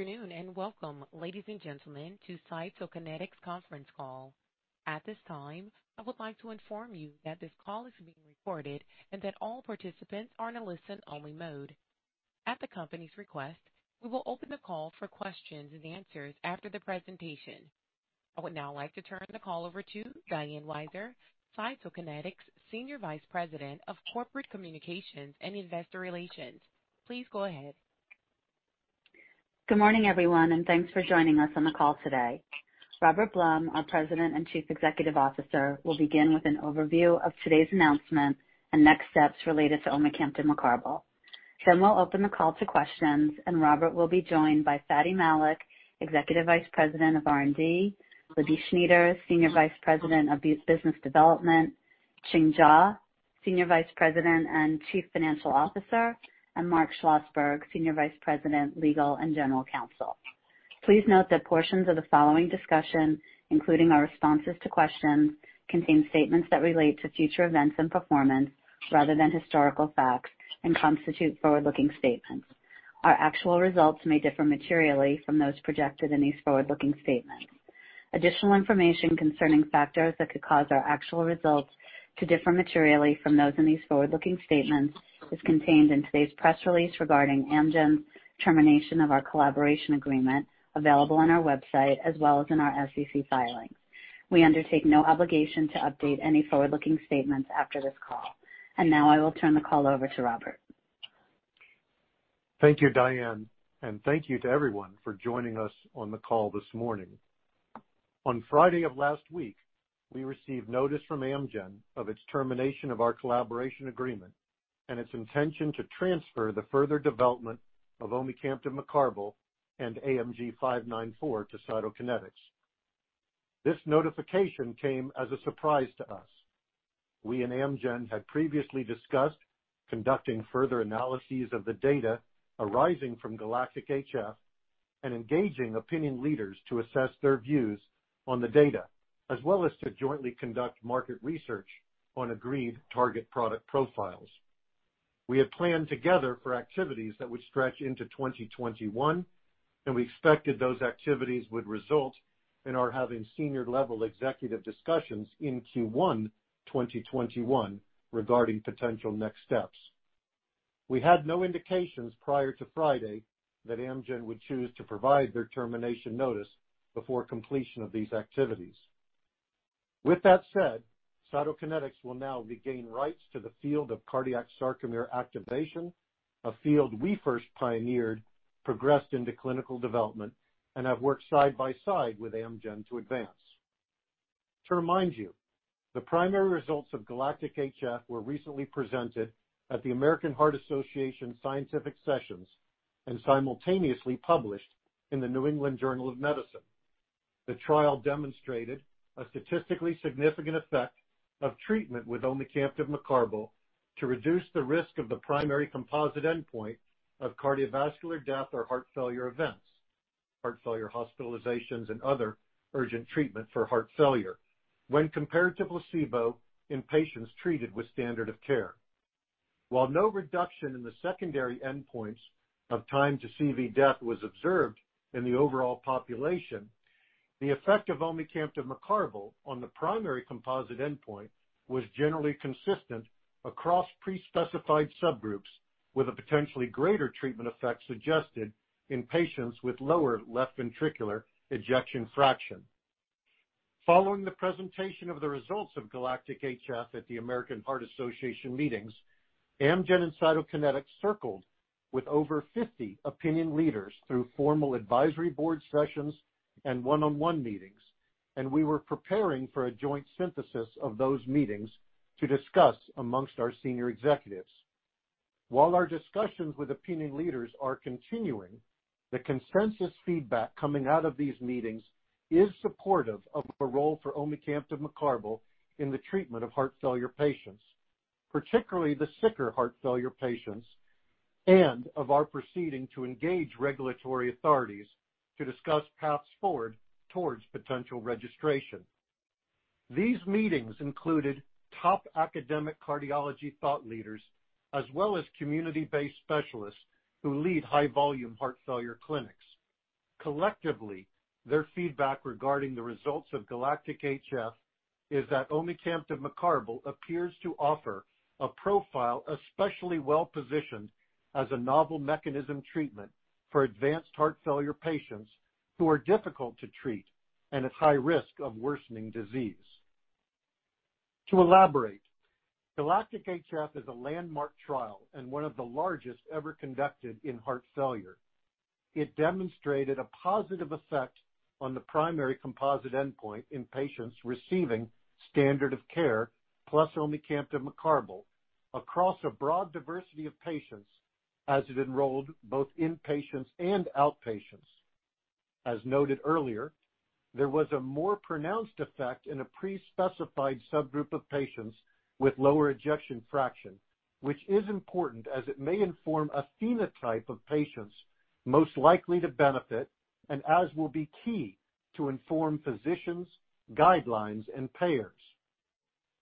Afternoon and welcome, ladies and gentlemen, to Cytokinetics conference call. At this time, I would like to inform you that this call is being recorded and that all participants are in a listen-only mode. At the company's request, we will open the call for questions and answers after the presentation. I would now like to turn the call over to Diane Weiser, Cytokinetics Senior Vice President of Corporate Communications and Investor Relations. Please go ahead. Good morning, everyone, and thanks for joining us on the call today. Robert Blum, our President and Chief Executive Officer, will begin with an overview of today's announcement and next steps related to omecamtiv mecarbil. Then we'll open the call to questions, and Robert will be joined by Fady Malik, Executive Vice President, R&D, Libby Schnieders, Senior Vice President, Business Development, Ching Jaw, Senior Vice President and Chief Financial Officer, and Mark Schlossberg, Senior Vice President, Legal and General Counsel. Please note that portions of the following discussion, including our responses to questions, contain statements that relate to future events and performance rather than historical facts and constitute forward-looking statements. Our actual results may differ materially from those projected in these forward-looking statements. Additional information concerning factors that could cause our actual results to differ materially from those in these forward-looking statements is contained in today's press release regarding Amgen's termination of our collaboration agreement, available on our website as well as in our SEC filings. We undertake no obligation to update any forward-looking statements after this call. Now I will turn the call over to Robert. Thank you, Diane, and thank you to everyone for joining us on the call this morning. On Friday of last week, we received notice from Amgen of its termination of our collaboration agreement and its intention to transfer the further development of omecamtiv mecarbil and AMG 594 to Cytokinetics. This notification came as a surprise to us. We and Amgen had previously discussed conducting further analyses of the data arising from GALACTIC-HF and engaging opinion leaders to assess their views on the data, as well as to jointly conduct market research on agreed target product profiles. We had planned together for activities that would stretch into 2021, and we expected those activities would result in our having senior-level executive discussions in Q1 2021 regarding potential next steps. We had no indications prior to Friday that Amgen would choose to provide their termination notice before completion of these activities. With that said, Cytokinetics will now regain rights to the field of cardiac sarcomere activation, a field we first pioneered, progressed into clinical development, and have worked side by side with Amgen to advance. To remind you, the primary results of GALACTIC-HF were recently presented at the American Heart Association's Scientific Sessions and simultaneously published in The New England Journal of Medicine. The trial demonstrated a statistically significant effect of treatment with omecamtiv mecarbil to reduce the risk of the primary composite endpoint of cardiovascular death or heart failure events, heart failure hospitalizations, and other urgent treatment for heart failure when compared to placebo in patients treated with standard of care. While no reduction in the secondary endpoints of time to CV death was observed in the overall population, the effect of omecamtiv mecarbil on the primary composite endpoint was generally consistent across pre-specified subgroups, with a potentially greater treatment effect suggested in patients with lower left ventricular ejection fraction. Following the presentation of the results of GALACTIC-HF at the American Heart Association meetings, Amgen and Cytokinetics circled with over 50 opinion leaders through formal advisory board sessions and one-on-one meetings, we were preparing for a joint synthesis of those meetings to discuss amongst our senior executives. While our discussions with opinion leaders are continuing, the consensus feedback coming out of these meetings is supportive of a role for omecamtiv mecarbil in the treatment of heart failure patients, particularly the sicker heart failure patients, and of our proceeding to engage regulatory authorities to discuss paths forward towards potential registration. These meetings included top academic cardiology thought leaders as well as community-based specialists who lead high-volume heart failure clinics. Collectively, their feedback regarding the results of GALACTIC-HF is that omecamtiv mecarbil appears to offer a profile especially well-positioned as a novel mechanism treatment for advanced heart failure patients who are difficult to treat and at high risk of worsening disease. To elaborate, GALACTIC-HF is a landmark trial and one of the largest ever conducted in heart failure. It demonstrated a positive effect on the primary composite endpoint in patients receiving standard of care plus omecamtiv mecarbil across a broad diversity of patients as it enrolled both inpatients and outpatients. As noted earlier, there was a more pronounced effect in a pre-specified subgroup of patients with lower ejection fraction, which is important as it may inform a phenotype of patients most likely to benefit and as will be key to inform physicians, guidelines, and payers.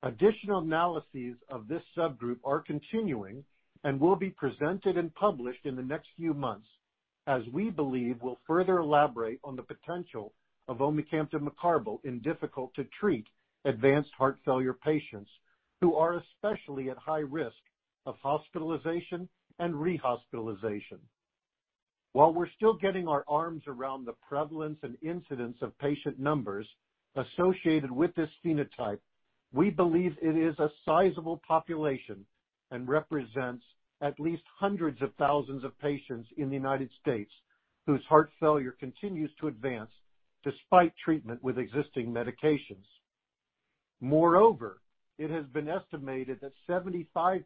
Additional analyses of this subgroup are continuing and will be presented and published in the next few months, as we believe will further elaborate on the potential of omecamtiv mecarbil in difficult-to-treat advanced heart failure patients who are especially at high risk of hospitalization and rehospitalization. While we're still getting our arms around the prevalence and incidence of patient numbers associated with this phenotype, we believe it is a sizable population and represents at least hundreds of thousands of patients in the United States whose heart failure continues to advance despite treatment with existing medications. Moreover, it has been estimated that 75%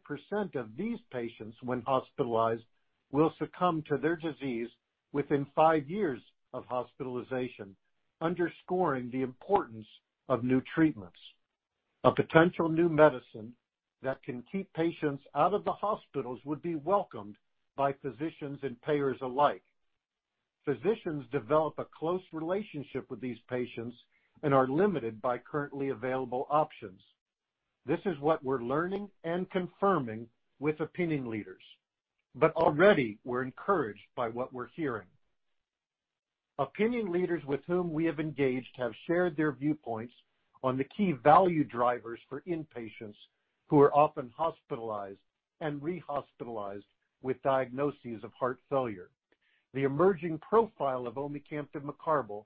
of these patients, when hospitalized, will succumb to their disease within five years of hospitalization, underscoring the importance of new treatments. A potential new medicine that can keep patients out of the hospitals would be welcomed by physicians and payers alike. Physicians develop a close relationship with these patients and are limited by currently available options. This is what we're learning and confirming with opinion leaders, but already we're encouraged by what we're hearing. Opinion leaders with whom we have engaged have shared their viewpoints on the key value drivers for inpatients who are often hospitalized and rehospitalized with diagnoses of heart failure. The emerging profile of omecamtiv mecarbil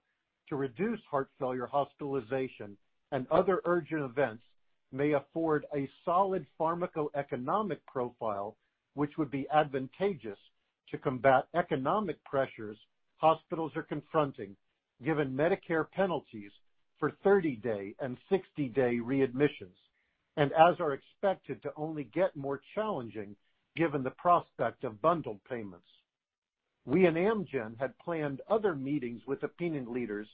to reduce heart failure hospitalization and other urgent events may afford a solid pharmacoeconomic profile which would be advantageous to combat economic pressures hospitals are confronting, given Medicare penalties for 30-day and 60-day readmissions, and as are expected to only get more challenging given the prospect of bundled payments. We and Amgen had planned other meetings with opinion leaders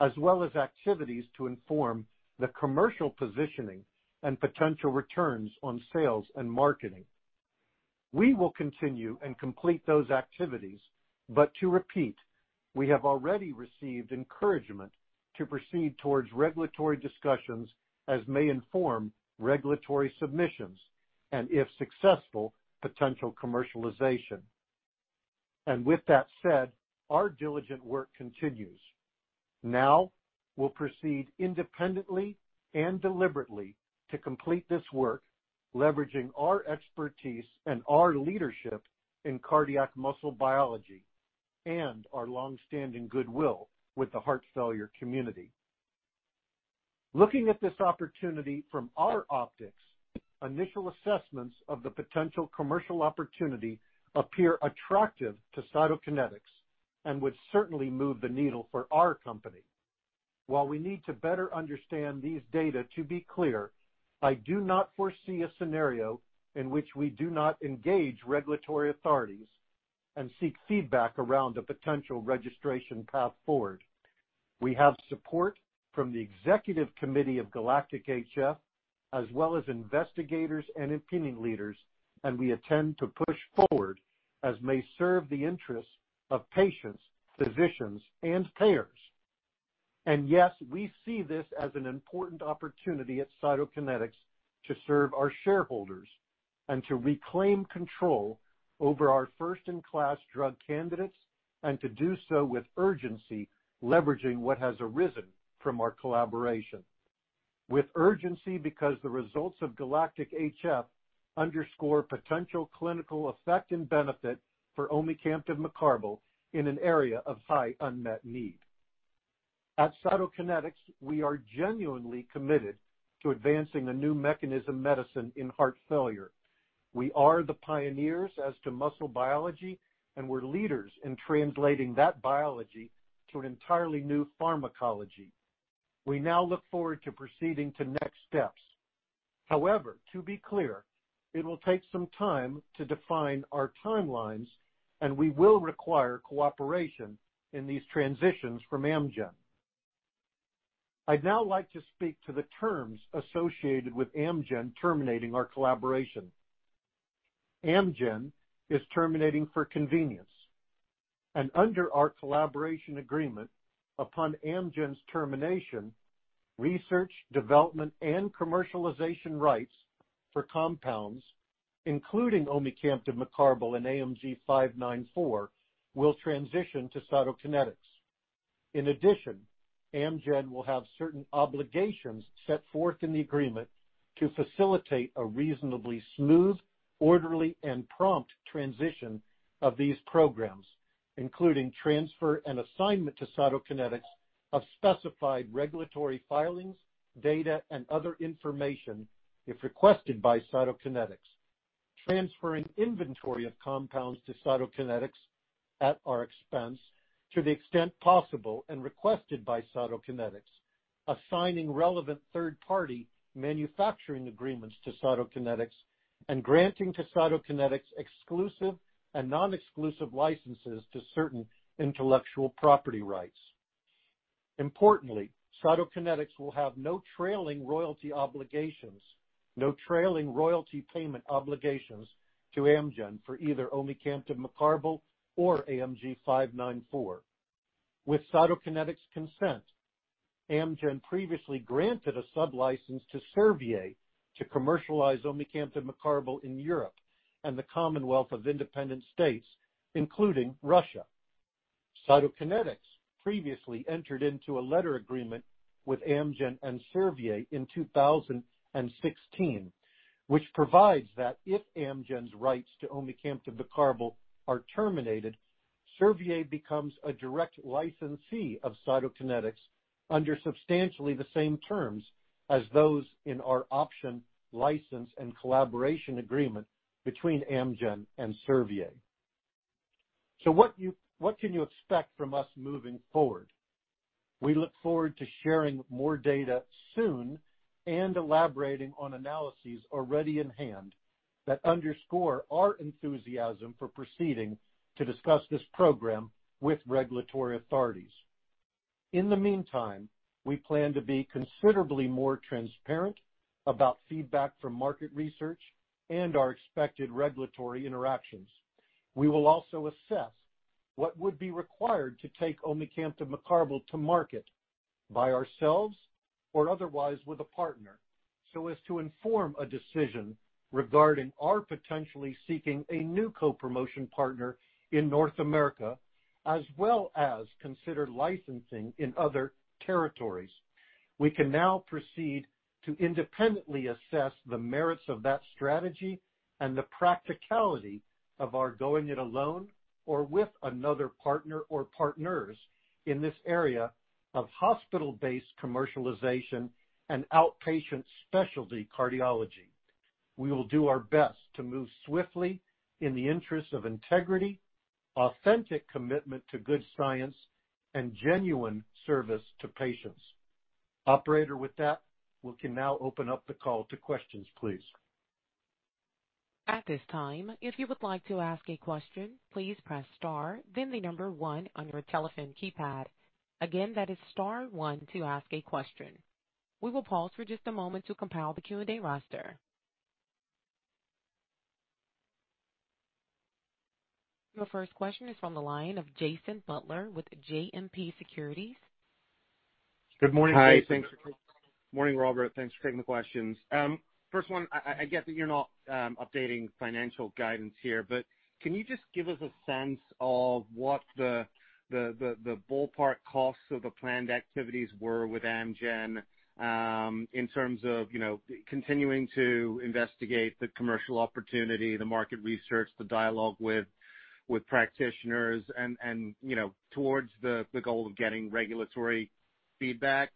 as well as activities to inform the commercial positioning and potential returns on sales and marketing. We will continue and complete those activities, but to repeat, we have already received encouragement to proceed towards regulatory discussions as may inform regulatory submissions, and if successful, potential commercialization. With that said, our diligent work continues. Now, we'll proceed independently and deliberately to complete this work, leveraging our expertise and our leadership in cardiac muscle biology and our longstanding goodwill with the heart failure community. Looking at this opportunity from our optics, initial assessments of the potential commercial opportunity appear attractive to Cytokinetics and would certainly move the needle for our company. While we need to better understand these data, to be clear, I do not foresee a scenario in which we do not engage regulatory authorities and seek feedback around a potential registration path forward. We have support from the executive committee of GALACTIC-HF as well as investigators and opinion leaders, and we intend to push forward as may serve the interests of patients, physicians, and payers. Yes, we see this as an important opportunity at Cytokinetics to serve our shareholders and to reclaim control over our first-in-class drug candidates and to do so with urgency, leveraging what has arisen from our collaboration. With urgency because the results of GALACTIC-HF underscore potential clinical effect and benefit for omecamtiv mecarbil in an area of high unmet need. At Cytokinetics, we are genuinely committed to advancing a new mechanism medicine in heart failure. We are the pioneers as to muscle biology, and we're leaders in translating that biology to an entirely new pharmacology. We now look forward to proceeding to next steps. However, to be clear, it will take some time to define our timelines, and we will require cooperation in these transitions from Amgen. I'd now like to speak to the terms associated with Amgen terminating our collaboration. Amgen is terminating for convenience, and under our collaboration agreement, upon Amgen's termination, research, development, and commercialization rights for compounds, including omecamtiv mecarbil and AMG 594, will transition to Cytokinetics. In addition, Amgen will have certain obligations set forth in the agreement to facilitate a reasonably smooth, orderly, and prompt transition of these programs, including transfer and assignment to Cytokinetics of specified regulatory filings, data, and other information if requested by Cytokinetics. Transferring inventory of compounds to Cytokinetics at our expense to the extent possible and requested by Cytokinetics. Assigning relevant third-party manufacturing agreements to Cytokinetics and granting to Cytokinetics exclusive and non-exclusive licenses to certain intellectual property rights. Importantly, Cytokinetics will have no trailing royalty obligations, no trailing royalty payment obligations to Amgen for either omecamtiv mecarbil or AMG-594. With Cytokinetics' consent, Amgen previously granted a sub-license to Servier to commercialize omecamtiv mecarbil in Europe and the Commonwealth of Independent States, including Russia. Cytokinetics previously entered into a letter agreement with Amgen and Servier in 2016, which provides that if Amgen's rights to omecamtiv mecarbil are terminated, Servier becomes a direct licensee of Cytokinetics under substantially the same terms as those in our option license and collaboration agreement between Amgen and Servier. What can you expect from us moving forward? We look forward to sharing more data soon and elaborating on analyses already in hand that underscore our enthusiasm for proceeding to discuss this program with regulatory authorities. In the meantime, we plan to be considerably more transparent about feedback from market research and our expected regulatory interactions. We will also assess what would be required to take omecamtiv mecarbil to market by ourselves or otherwise with a partner, so as to inform a decision regarding our potentially seeking a new co-promotion partner in North America, as well as consider licensing in other territories. We can now proceed to independently assess the merits of that strategy and the practicality of our going it alone or with another partner or partners in this area of hospital-based commercialization and outpatient specialty cardiology. We will do our best to move swiftly in the interest of integrity, authentic commitment to good science, and genuine service to patients. Operator, with that, we can now open up the call to questions, please. At this time if you would like to ask a question, please press star then the number one on your telephone keypad. Again, that is star one to ask a question. We will pause for just a moment to compile the Q&A roster. Your first question is from the line of Jason Butler with JMP Securities. Good morning, Jason. Hi. Morning, Robert. Thanks for taking the questions. First one, I get that you're not updating financial guidance here, but can you just give us a sense of what the ballpark costs of the planned activities were with Amgen in terms of continuing to investigate the commercial opportunity, the market research, the dialogue with practitioners, and towards the goal of getting regulatory feedback?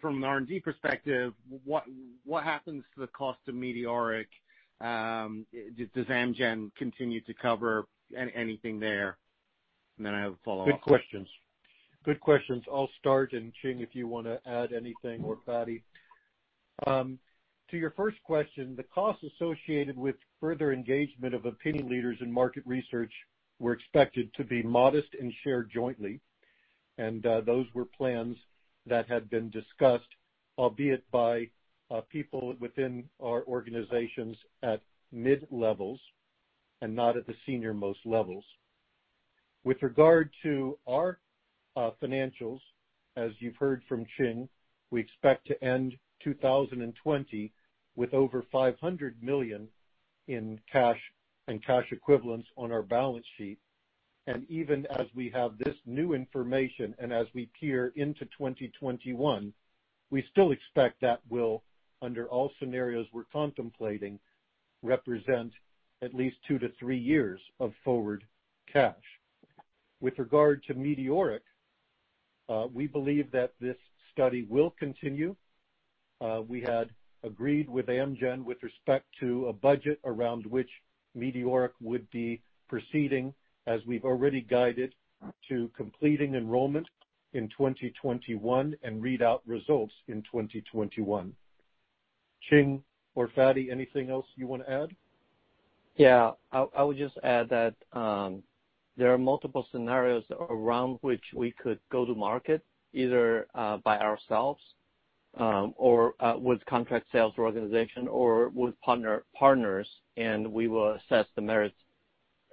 From an R&D perspective, what happens to the cost of METEORIC? Does Amgen continue to cover anything there? I have a follow-up. Good questions. I'll start, and Ching, if you want to add anything, or Fady. To your first question, the costs associated with further engagement of opinion leaders in market research were expected to be modest and shared jointly, and those were plans that had been discussed, albeit by people within our organizations at mid-levels and not at the senior-most levels. With regard to our financials, as you've heard from Ching, we expect to end 2020 with over $500 million in cash and cash equivalents on our balance sheet. Even as we have this new information and as we peer into 2021, we still expect that will, under all scenarios we're contemplating, represent at least two to three years of forward cash. With regard to METEORIC, we believe that this study will continue. We had agreed with Amgen with respect to a budget around which METEORIC would be proceeding, as we've already guided to completing enrollment in 2021 and read out results in 2021. Ching or Fady, anything else you want to add? Yeah. I would just add that there are multiple scenarios around which we could go to market, either by ourselves or with contract sales organization or with partners, and we will assess the merits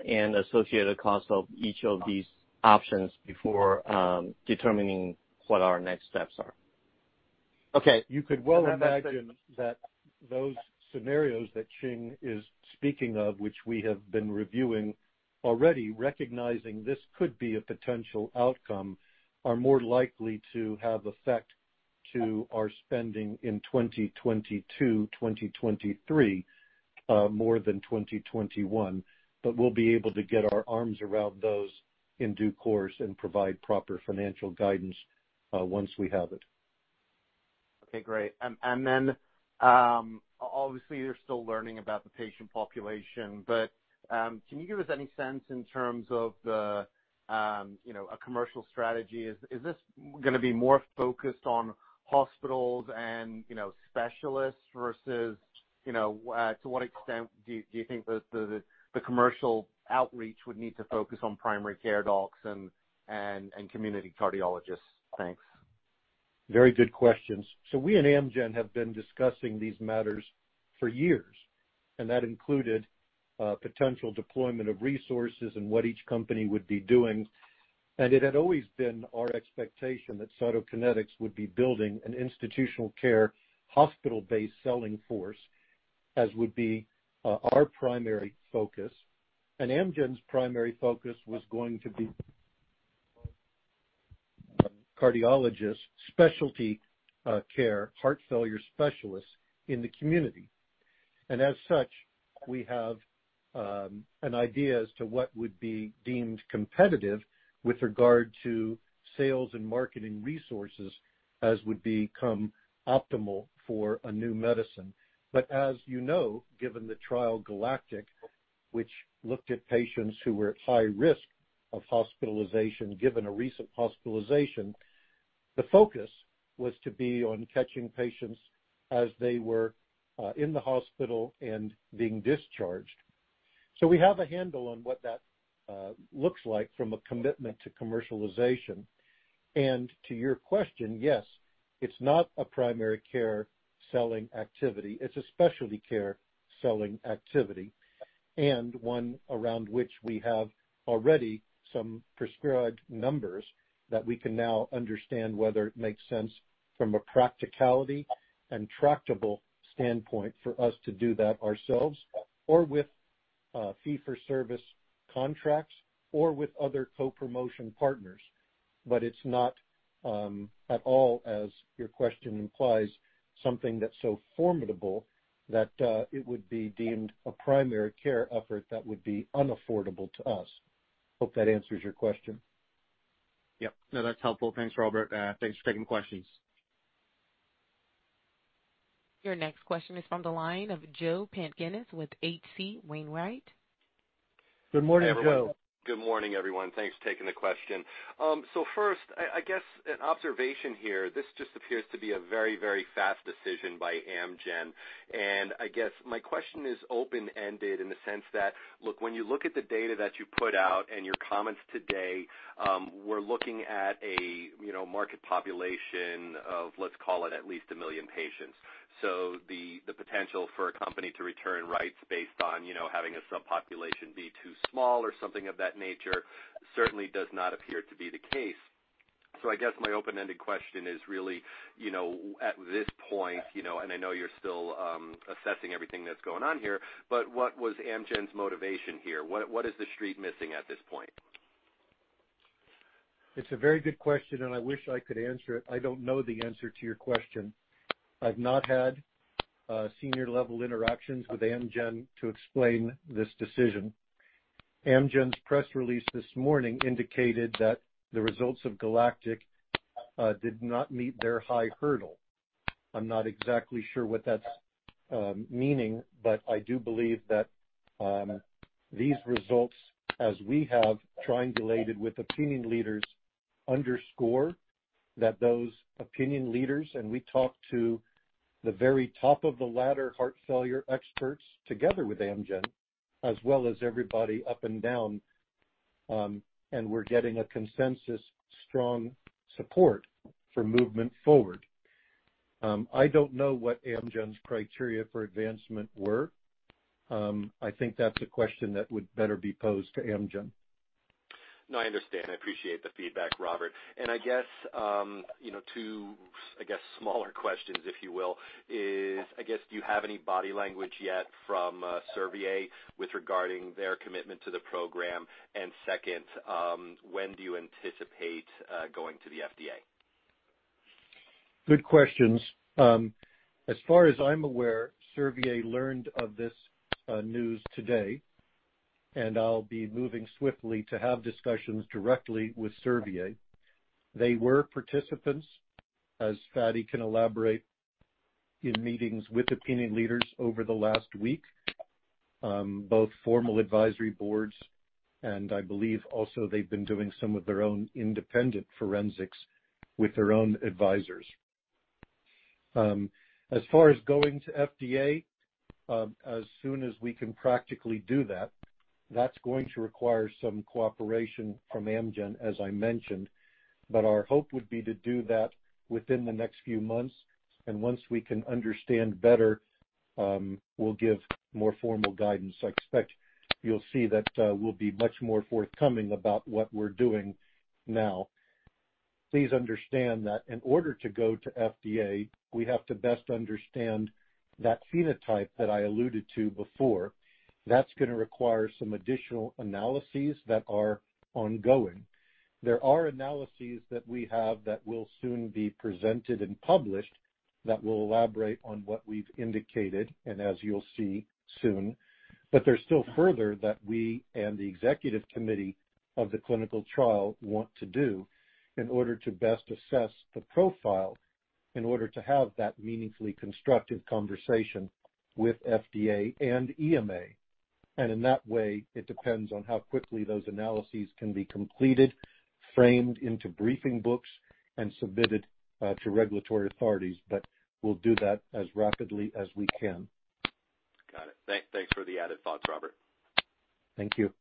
and associated cost of each of these options before determining what our next steps are. Okay. You could well imagine that those scenarios that Ching is speaking of, which we have been reviewing already, recognizing this could be a potential outcome, are more likely to have effect to our spending in 2022, 2023, more than 2021. We'll be able to get our arms around those in due course and provide proper financial guidance once we have it. Okay, great. Obviously, you're still learning about the patient population, but can you give us any sense in terms of a commercial strategy? Is this going to be more focused on hospitals and specialists versus to what extent do you think the commercial outreach would need to focus on primary care docs and community cardiologists? Thanks. Very good questions. We and Amgen have been discussing these matters for years, and that included potential deployment of resources and what each company would be doing. It had always been our expectation that Cytokinetics would be building an institutional care hospital-based selling force, as would be our primary focus. Amgen's primary focus was going to be cardiologists, specialty care, heart failure specialists in the community. As such, we have an idea as to what would be deemed competitive with regard to sales and marketing resources as would become optimal for a new medicine. As you know, given the trial GALACTIC, which looked at patients who were at high risk of hospitalization, given a recent hospitalization, the focus was to be on catching patients as they were in the hospital and being discharged. We have a handle on what that looks like from a commitment to commercialization. To your question, yes, it's not a primary care selling activity. It's a specialty care selling activity and one around which we have already some prescribed numbers that we can now understand whether it makes sense from a practicality and tractable standpoint for us to do that ourselves or with fee-for-service contracts or with other co-promotion partners. It's not at all, as your question implies, something that's so formidable that it would be deemed a primary care effort that would be unaffordable to us. Hope that answers your question. Yep. No, that's helpful. Thanks, Robert. Thanks for taking the questions. Your next question is from the line of Joe Pantginis with HC Wainwright. Good morning, Joe. Good morning, everyone. Thanks for taking the question. First, I guess an observation here, this just appears to be a very, very fast decision by Amgen, and I guess my question is open-ended in the sense that, look, when you look at the data that you put out and your comments today, we're looking at a market population of, let's call it, at least 1 million patients. The potential for a company to return rights based on having a subpopulation be too small or something of that nature certainly does not appear to be the case. I guess my open-ended question is really at this point, and I know you're still assessing everything that's going on here, but what was Amgen's motivation here? What is the street missing at this point? It's a very good question, and I wish I could answer it. I don't know the answer to your question. I've not had senior-level interactions with Amgen to explain this decision. Amgen's press release this morning indicated that the results of GALACTIC did not meet their high hurdle. I'm not exactly sure what that's meaning, but I do believe that these results, as we have triangulated with opinion leaders, underscore that those opinion leaders, and we talk to the very top of the ladder heart failure experts together with Amgen, as well as everybody up and down, and we're getting a consensus strong support for movement forward. I don't know what Amgen's criteria for advancement were. I think that's a question that would better be posed to Amgen. No, I understand. I appreciate the feedback, Robert. I guess two, I guess smaller questions, if you will, is, I guess, do you have any body language yet from Servier with regarding their commitment to the program? Second, when do you anticipate going to the FDA? Good questions. As far as I'm aware, Servier learned of this news today. I'll be moving swiftly to have discussions directly with Servier. They were participants, as Fady can elaborate, in meetings with opinion leaders over the last week, both formal advisory boards. I believe also they've been doing some of their own independent forensics with their own advisors. As far as going to FDA, as soon as we can practically do that. That's going to require some cooperation from Amgen, as I mentioned. Our hope would be to do that within the next few months. Once we can understand better, we'll give more formal guidance. I expect you'll see that we'll be much more forthcoming about what we're doing now. Please understand that in order to go to FDA, we have to best understand that phenotype that I alluded to before. That's going to require some additional analyses that are ongoing. There are analyses that we have that will soon be presented and published that will elaborate on what we've indicated, and as you'll see soon. There's still further that we and the executive committee of the clinical trial want to do in order to best assess the profile in order to have that meaningfully constructive conversation with FDA and EMA. In that way, it depends on how quickly those analyses can be completed, framed into briefing books, and submitted to regulatory authorities. We'll do that as rapidly as we can. Got it. Thanks for the added thoughts, Robert. Thank you.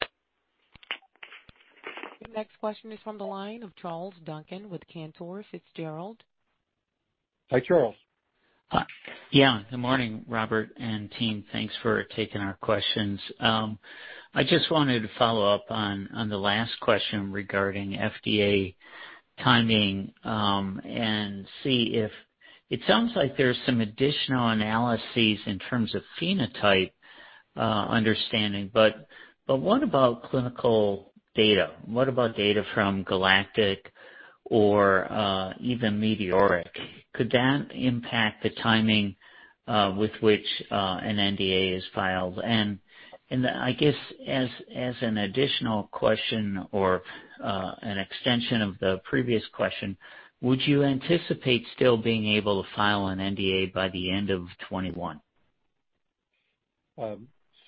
The next question is from the line of Charles Duncan with Cantor Fitzgerald. Hi, Charles. Good morning, Robert and team. Thanks for taking our questions. I just wanted to follow up on the last question regarding FDA timing, and see if it sounds like there's some additional analyses in terms of phenotype understanding, but what about clinical data? What about data from GALACTIC or even METEORIC? Could that impact the timing with which an NDA is filed? I guess, as an additional question or an extension of the previous question, would you anticipate still being able to file an NDA by the end of 2021?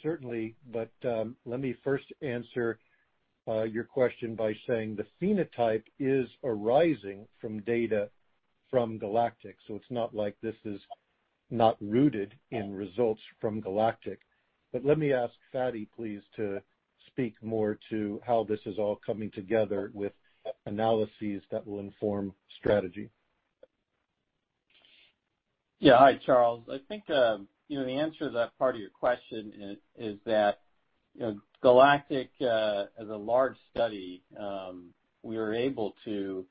Certainly. Let me first answer your question by saying the phenotype is arising from data from GALACTIC. It's not like this is not rooted in results from GALACTIC. Let me ask Fady please to speak more to how this is all coming together with analyses that will inform strategy. Yeah. Hi, Charles. I think the answer to that part of your question is that GALACTIC is a large study. We were able to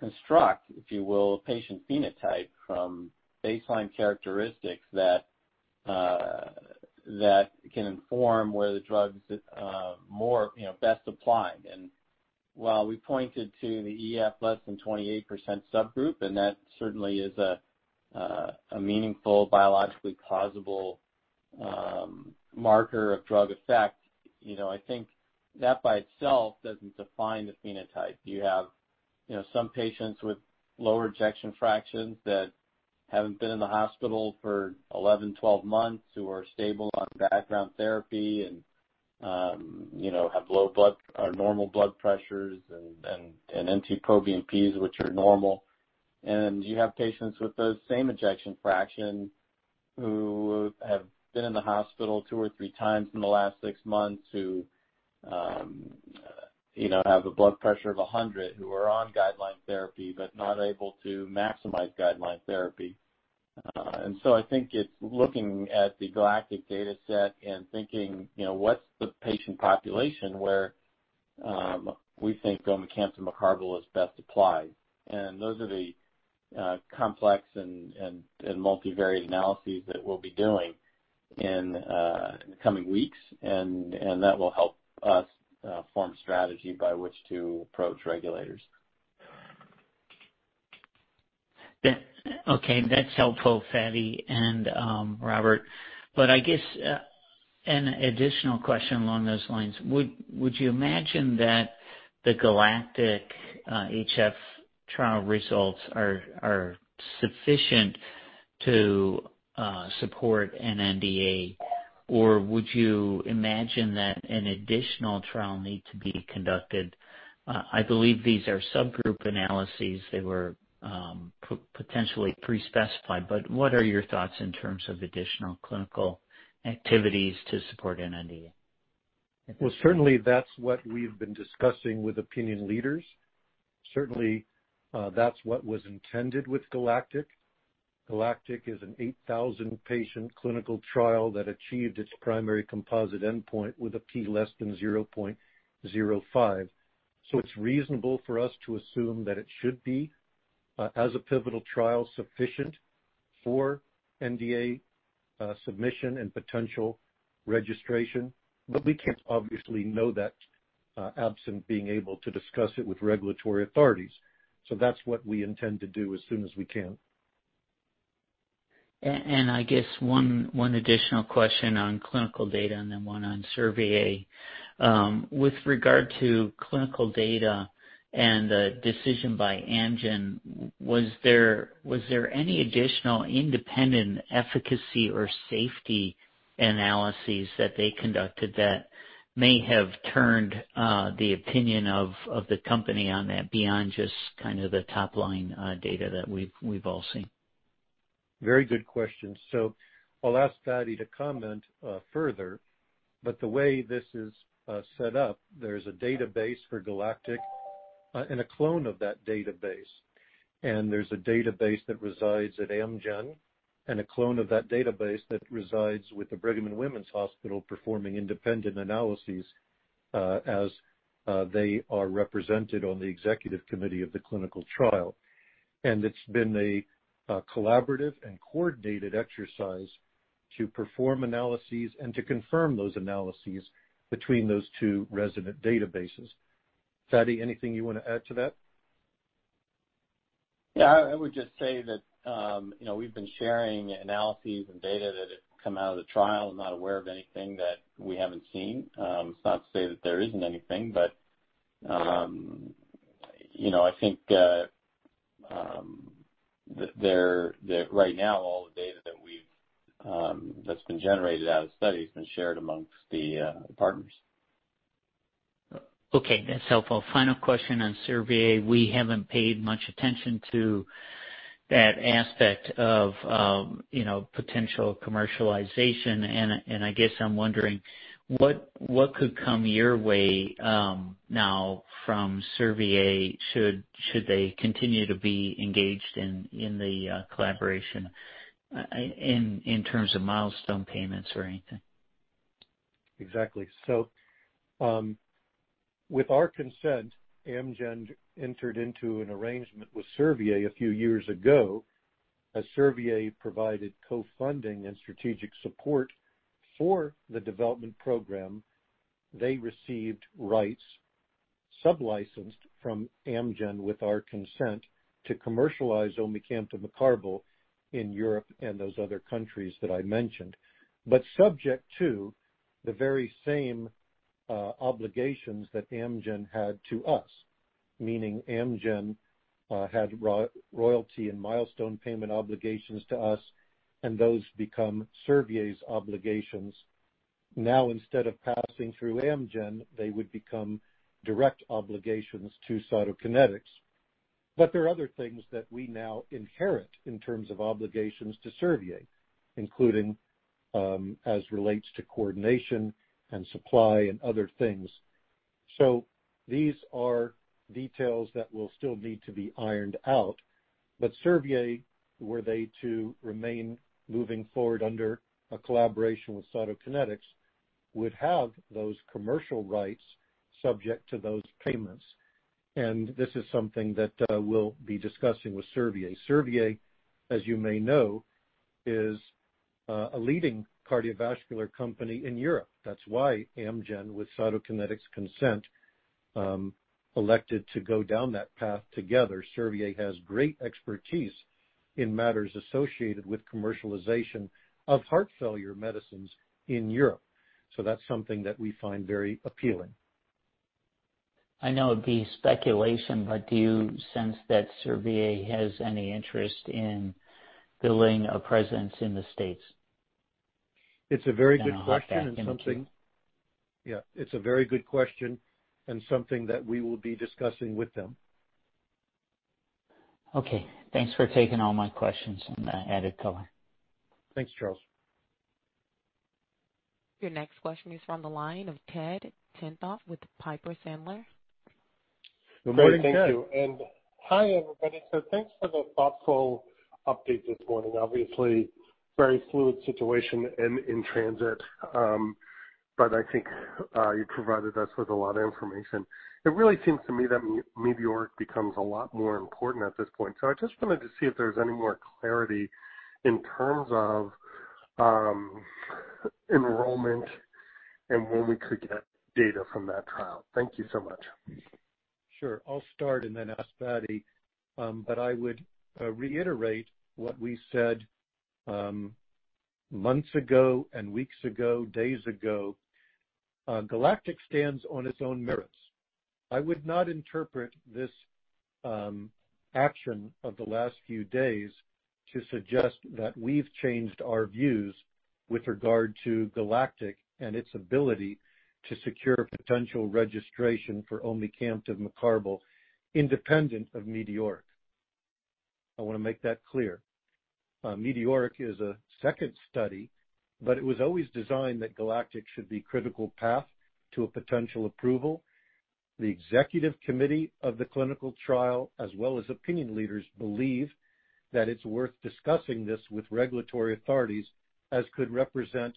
construct, if you will, a patient phenotype from baseline characteristics that can inform where the drug's best applied. While we pointed to the EF less than 28% subgroup, and that certainly is a meaningful biologically causable marker of drug effect, I think that by itself doesn't define the phenotype. You have some patients with lower ejection fractions that haven't been in the hospital for 11, 12 months, who are stable on background therapy and have normal blood pressures and NT-proBNP which are normal. You have patients with the same ejection fraction who have been in the hospital two or three times in the last six months, who have a blood pressure of 100, who are on guideline therapy, but not able to maximize guideline therapy. I think it's looking at the GALACTIC data set and thinking, what's the patient population where we think omecamtiv mecarbil is best applied. Those are the complex and multivariate analyses that we'll be doing in the coming weeks, and that will help us form strategy by which to approach regulators. Okay. That's helpful, Fady and Robert. I guess an additional question along those lines. Would you imagine that the GALACTIC-HF trial results are sufficient to support an NDA, or would you imagine that an additional trial need to be conducted? I believe these are subgroup analyses. They were potentially pre-specified, but what are your thoughts in terms of additional clinical activities to support NDA? Well, certainly that's what we've been discussing with opinion leaders. Certainly, that's what was intended with GALACTIC. GALACTIC is an 8,000-patient clinical trial that achieved its primary composite endpoint with a p less than 0.05. It's reasonable for us to assume that it should be, as a pivotal trial, sufficient for NDA submission and potential registration. We can't obviously know that absent being able to discuss it with regulatory authorities. That's what we intend to do as soon as we can. I guess one additional question on clinical data and then one on Servier. With regard to clinical data and the decision by Amgen, was there any additional independent efficacy or safety analyses that they conducted that may have turned the opinion of the company on that beyond just kind of the top-line data that we've all seen? Very good question. I'll ask Fady to comment further. The way this is set up, there's a database for GALACTIC and a clone of that database. There's a database that resides at Amgen and a clone of that database that resides with the Brigham and Women's Hospital performing independent analyses as they are represented on the executive committee of the clinical trial. It's been a collaborative and coordinated exercise to perform analyses and to confirm those analyses between those two resident databases. Fady, anything you want to add to that? I would just say that we've been sharing analyses and data that have come out of the trial. I'm not aware of anything that we haven't seen. It's not to say that there isn't anything, but I think that right now all the data that's been generated out of the study has been shared amongst the partners. Okay, that's helpful. Final question on Servier. We haven't paid much attention to that aspect of potential commercialization, and I guess I'm wondering what could come your way now from Servier should they continue to be engaged in the collaboration in terms of milestone payments or anything? Exactly. With our consent, Amgen entered into an arrangement with Servier a few years ago. As Servier provided co-funding and strategic support for the development program, they received rights, sub-licensed from Amgen with our consent, to commercialize omecamtiv mecarbil in Europe and those other countries that I mentioned, but subject to the very same obligations that Amgen had to us, meaning Amgen had royalty and milestone payment obligations to us, and those become Servier's obligations. Instead of passing through Amgen, they would become direct obligations to Cytokinetics. There are other things that we now inherit in terms of obligations to Servier, including as relates to coordination and supply and other things. These are details that will still need to be ironed out, but Servier, were they to remain moving forward under a collaboration with Cytokinetics, would have those commercial rights subject to those payments. This is something that we'll be discussing with Servier. Servier, as you may know, is a leading cardiovascular company in Europe. That's why Amgen, with Cytokinetics' consent, elected to go down that path together. Servier has great expertise in matters associated with commercialization of heart failure medicines in Europe. That's something that we find very appealing. I know it'd be speculation, but do you sense that Servier has any interest in building a presence in the States? It's a very good question. Don't know how that can be. Yeah. It's a very good question and something that we will be discussing with them. Okay. Thanks for taking all my questions and the added color. Thanks, Charles. Your next question is on the line of Ted Tenthoff with Piper Sandler. Good morning, Ted. Good morning. Thank you. Hi, everybody. Thanks for the thoughtful update this morning. Obviously, very fluid situation and in transit. I think you provided us with a lot of information. It really seems to me that METEORIC becomes a lot more important at this point. I just wanted to see if there's any more clarity in terms of enrollment and when we could get data from that trial. Thank you so much. Sure. I'll start and then ask Fady. I would reiterate what we said months ago and weeks ago, days ago. GALACTIC stands on its own merits. I would not interpret this action of the last few days to suggest that we've changed our views with regard to GALACTIC and its ability to secure potential registration for omecamtiv mecarbil independent of METEORIC. I want to make that clear. METEORIC is a second study, but it was always designed that GALACTIC should be critical path to a potential approval. The executive committee of the clinical trial, as well as opinion leaders, believe that it's worth discussing this with regulatory authorities as could represent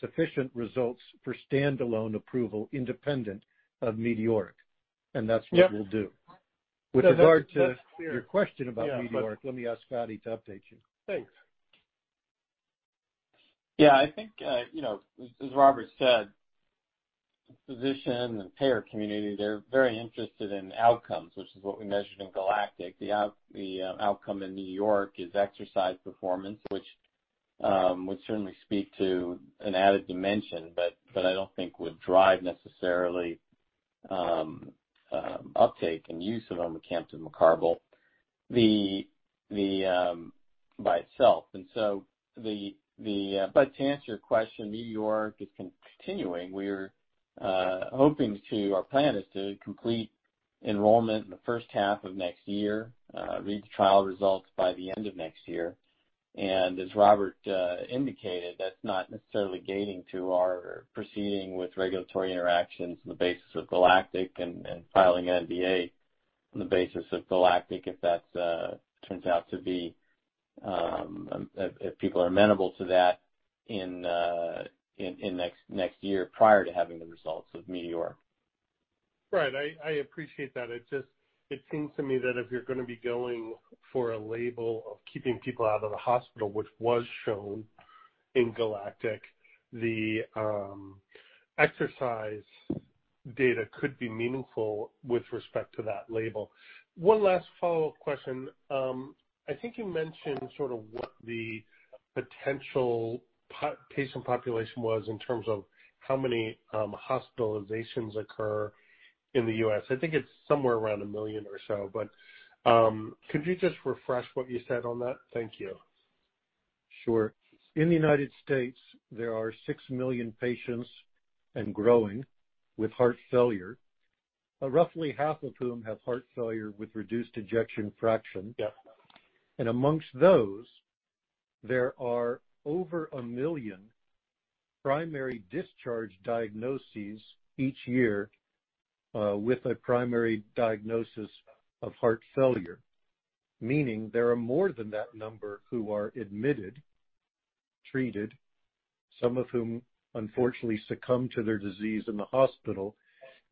sufficient results for standalone approval independent of METEORIC, and that's what we'll do. Yeah. No, that's clear. With regard to your question about METEORIC, let me ask Fady to update you. Thanks. I think as Robert said, physician and payer community, they are very interested in outcomes, which is what we measured in GALACTIC. The outcome in New York is exercise performance, which would certainly speak to an added dimension, but I don't think would drive necessarily uptake and use of omecamtiv mecarbil by itself. But to answer your question, METEORIC is continuing. Our plan is to complete enrollment in the first half of next year, read the trial results by the end of next year. As Robert indicated, that's not necessarily gating to our proceeding with regulatory interactions on the basis of GALACTIC and filing an NDA on the basis of GALACTIC if that turns out to be if people are amenable to that in next year prior to having the results of METEORIC. Right. I appreciate that. It seems to me that if you're going to be going for a label of keeping people out of the hospital, which was shown in GALACTIC, the exercise data could be meaningful with respect to that label. One last follow-up question. I think you mentioned sort of what the potential patient population was in terms of how many hospitalizations occur in the U.S. I think it's somewhere around 1 million or so, but could you just refresh what you said on that? Thank you. Sure. In the United States, there are 6 million patients, and growing, with heart failure. Roughly half of whom have heart failure with reduced ejection fraction. Yep. Amongst those, there are over 1 million primary discharge diagnoses each year, with a primary diagnosis of heart failure. Meaning there are more than that number who are admitted, treated, some of whom unfortunately succumb to their disease in the hospital.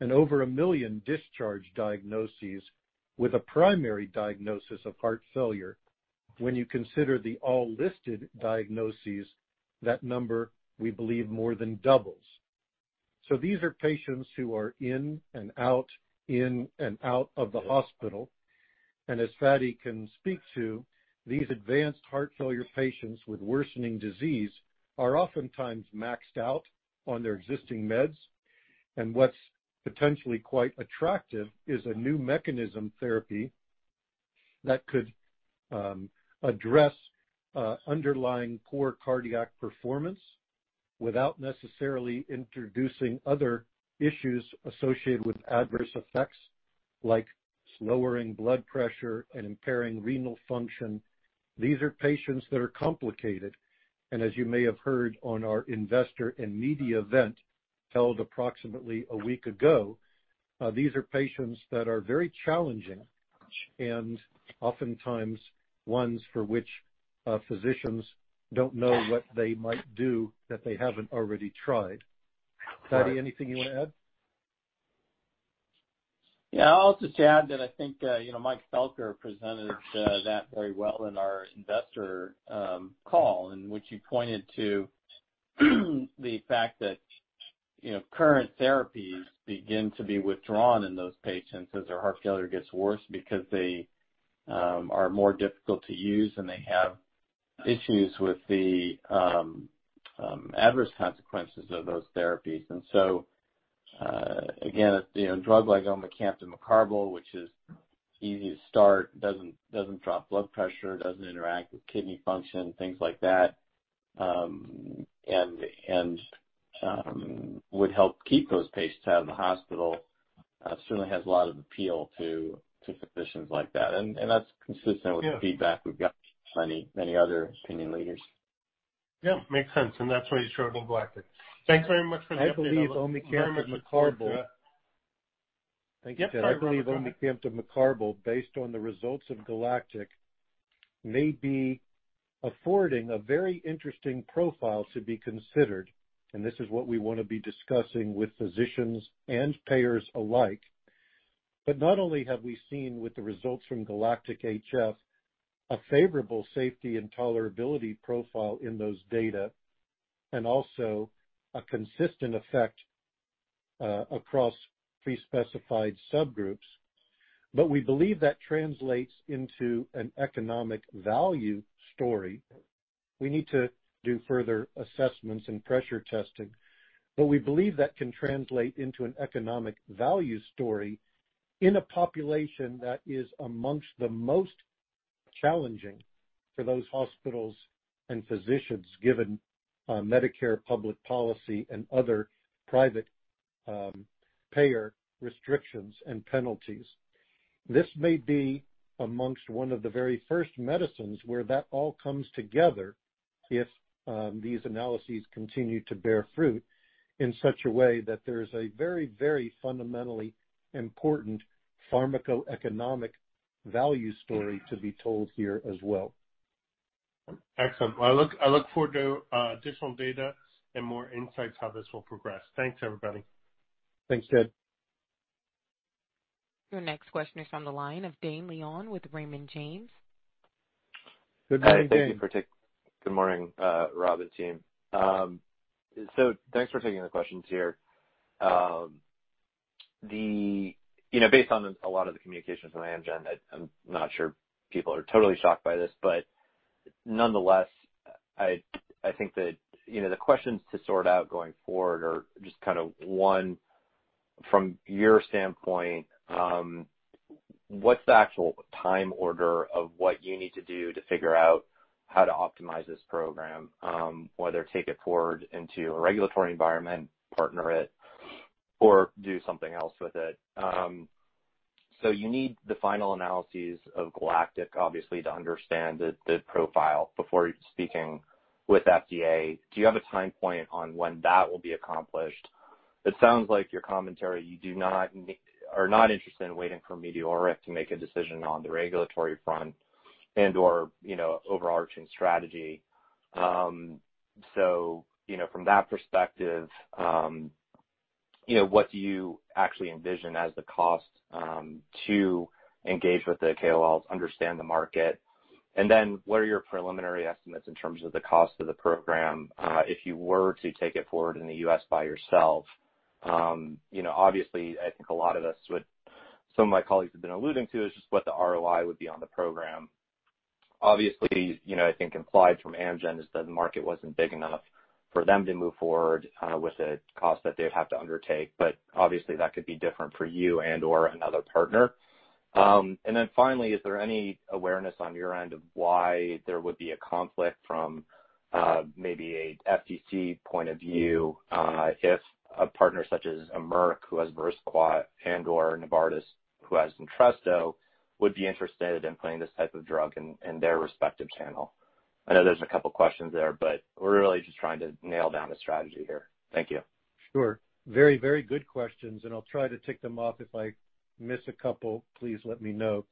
Over 1 million discharge diagnoses with a primary diagnosis of heart failure. When you consider the all-listed diagnoses, that number, we believe, more than doubles. These are patients who are in and out, in and out of the hospital. As Fady can speak to, these advanced heart failure patients with worsening disease are oftentimes maxed out on their existing meds. What's potentially quite attractive is a new mechanism therapy that could address underlying poor cardiac performance without necessarily introducing other issues associated with adverse effects like lowering blood pressure and impairing renal function. These are patients that are complicated. As you may have heard on our investor and media event held approximately one week ago, these are patients that are very challenging and oftentimes ones for which physicians don't know what they might do that they haven't already tried. Fady, anything you want to add? Yeah, I'll just add that I think Mike Felker presented that very well in our investor call, in which he pointed to the fact that current therapies begin to be withdrawn in those patients as their heart failure gets worse because they are more difficult to use, and they have issues with the adverse consequences of those therapies. Again, a drug like omecamtiv mecarbil, which is easy to start, doesn't drop blood pressure, doesn't interact with kidney function, things like that, and would help keep those patients out of the hospital, certainly has a lot of appeal to physicians like that. That's consistent. Yeah. with the feedback we've got from many other opinion leaders. Yeah, makes sense. That's why you showed GALACTIC. Thanks very much for the update. Yes, go ahead, Rob. Thank you, Fady. I believe omecamtiv mecarbil, based on the results of GALACTIC, may be affording a very interesting profile to be considered, and this is what we want to be discussing with physicians and payers alike. Not only have we seen with the results from GALACTIC-HF a favorable safety and tolerability profile in those data, and also a consistent effect across pre-specified subgroups, but we believe that translates into an economic value story. We need to do further assessments and pressure testing, but we believe that can translate into an economic value story in a population that is amongst the most challenging for those hospitals and physicians, given Medicare public policy and other private payer restrictions and penalties. This may be amongst one of the very first medicines where that all comes together if these analyses continue to bear fruit in such a way that there is a very, very fundamentally important pharmacoeconomic value story to be told here as well. Excellent. I look forward to additional data and more insights how this will progress. Thanks, everybody. Thanks, Ted. Your next question is on the line of Dane Leone with Raymond James. Good morning, Dane. Hi. Good morning, Rob and team. Thanks for taking the questions here. Based on a lot of the communications from Amgen, nonetheless, I think that the questions to sort out going forward are, one, from your standpoint, what's the actual time order of what you need to do to figure out how to optimize this program? Whether take it forward into a regulatory environment, partner it, or do something else with it. You need the final analyses of GALACTIC, obviously, to understand the profile before speaking with FDA. Do you have a time point on when that will be accomplished? It sounds like your commentary, you are not interested in waiting for METEORIC to make a decision on the regulatory front and/or overarching strategy. From that perspective, what do you actually envision as the cost to engage with the KOLs, understand the market, and then what are your preliminary estimates in terms of the cost of the program if you were to take it forward in the U.S. by yourself? Obviously, I think a lot of us, some of my colleagues have been alluding to, is just what the ROI would be on the program. Obviously, I think implied from Amgen is that the market wasn't big enough for them to move forward with a cost that they'd have to undertake. Obviously that could be different for you and/or another partner. Finally, is there any awareness on your end of why there would be a conflict from maybe a FTC point of view, if a partner such as a Merck who has VERQUVO and/or Novartis who has Entresto would be interested in playing this type of drug in their respective channel? I know there's a couple questions there, but we're really just trying to nail down the strategy here. Thank you. Sure. Very good questions, I'll try to tick them off. If I miss a couple, please let me know.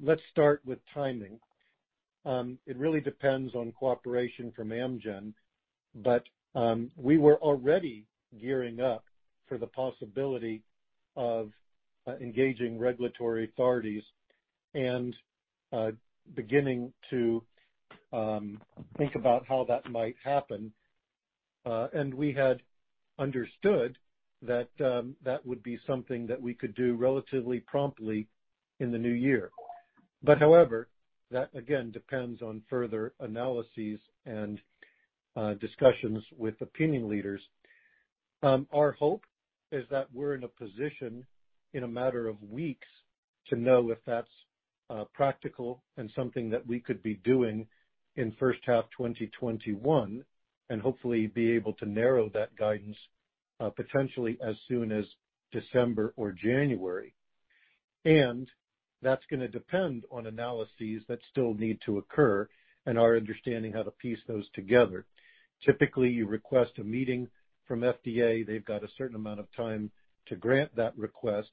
Let's start with timing. It really depends on cooperation from Amgen, but we were already gearing up for the possibility of engaging regulatory authorities and beginning to think about how that might happen. We had understood that would be something that we could do relatively promptly in the new year. However, that again depends on further analyses and discussions with opinion leaders. Our hope is that we're in a position in a matter of weeks to know if that's practical and something that we could be doing in first half 2021 and hopefully be able to narrow that guidance potentially as soon as December or January. That's going to depend on analyses that still need to occur and our understanding how to piece those together. Typically, you request a meeting from FDA. They've got a certain amount of time to grant that request,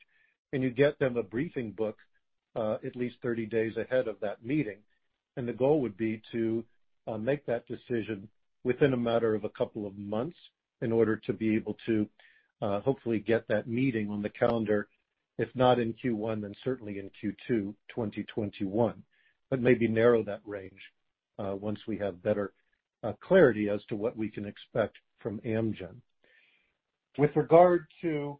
and you get them a briefing book at least 30 days ahead of that meeting. The goal would be to make that decision within a matter of a couple of months in order to be able to hopefully get that meeting on the calendar, if not in Q1, then certainly in Q2 2021. Maybe narrow that range once we have better clarity as to what we can expect from Amgen. With regard to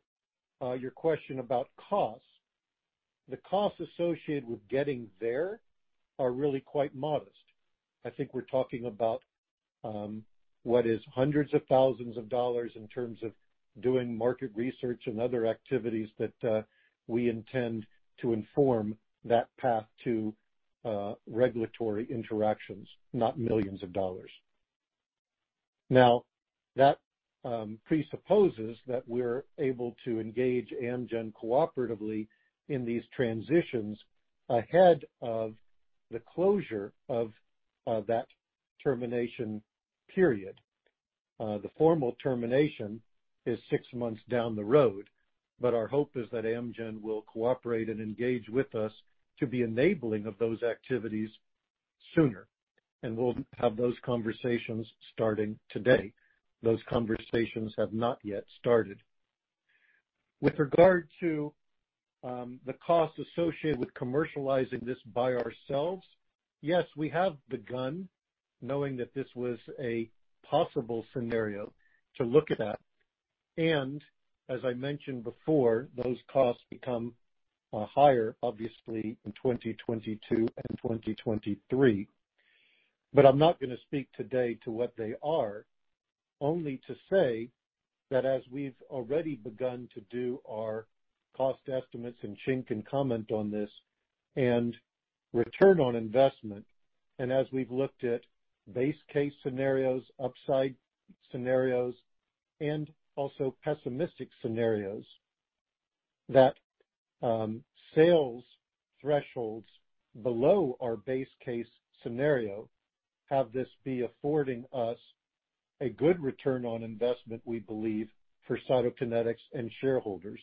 your question about costs, the costs associated with getting there are really quite modest. I think we're talking about what is hundreds of thousands of dollars in terms of doing market research and other activities that we intend to inform that path to regulatory interactions, not millions of dollars. That presupposes that we're able to engage Amgen cooperatively in these transitions ahead of the closure of that termination period. The formal termination is six months down the road, our hope is that Amgen will cooperate and engage with us to be enabling of those activities sooner, we'll have those conversations starting today. Those conversations have not yet started. With regard to the cost associated with commercializing this by ourselves, yes, we have begun knowing that this was a possible scenario to look at. As I mentioned before, those costs become higher obviously in 2022 and 2023. I'm not going to speak today to what they are, only to say that as we've already begun to do our cost estimates, and Ching can comment on this, and return on investment. As we've looked at base case scenarios, upside scenarios, and also pessimistic scenarios, that sales thresholds below our base case scenario have this be affording us a good return on investment, we believe, for Cytokinetics and shareholders.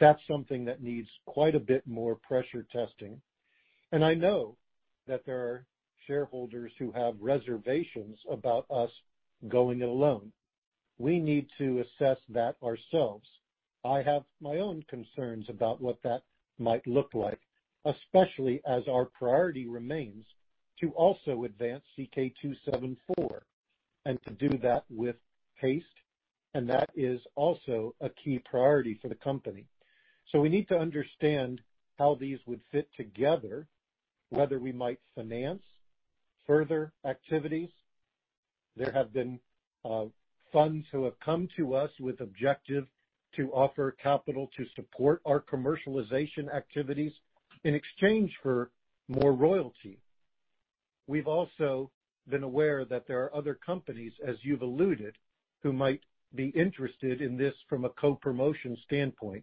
That's something that needs quite a bit more pressure testing. I know that there are shareholders who have reservations about us going it alone. We need to assess that ourselves. I have my own concerns about what that might look like, especially as our priority remains to also advance CK-274 and to do that with haste, and that is also a key priority for the company. We need to understand how these would fit together, whether we might finance further activities. There have been funds who have come to us with objective to offer capital to support our commercialization activities in exchange for more royalty. We've also been aware that there are other companies, as you've alluded, who might be interested in this from a co-promotion standpoint,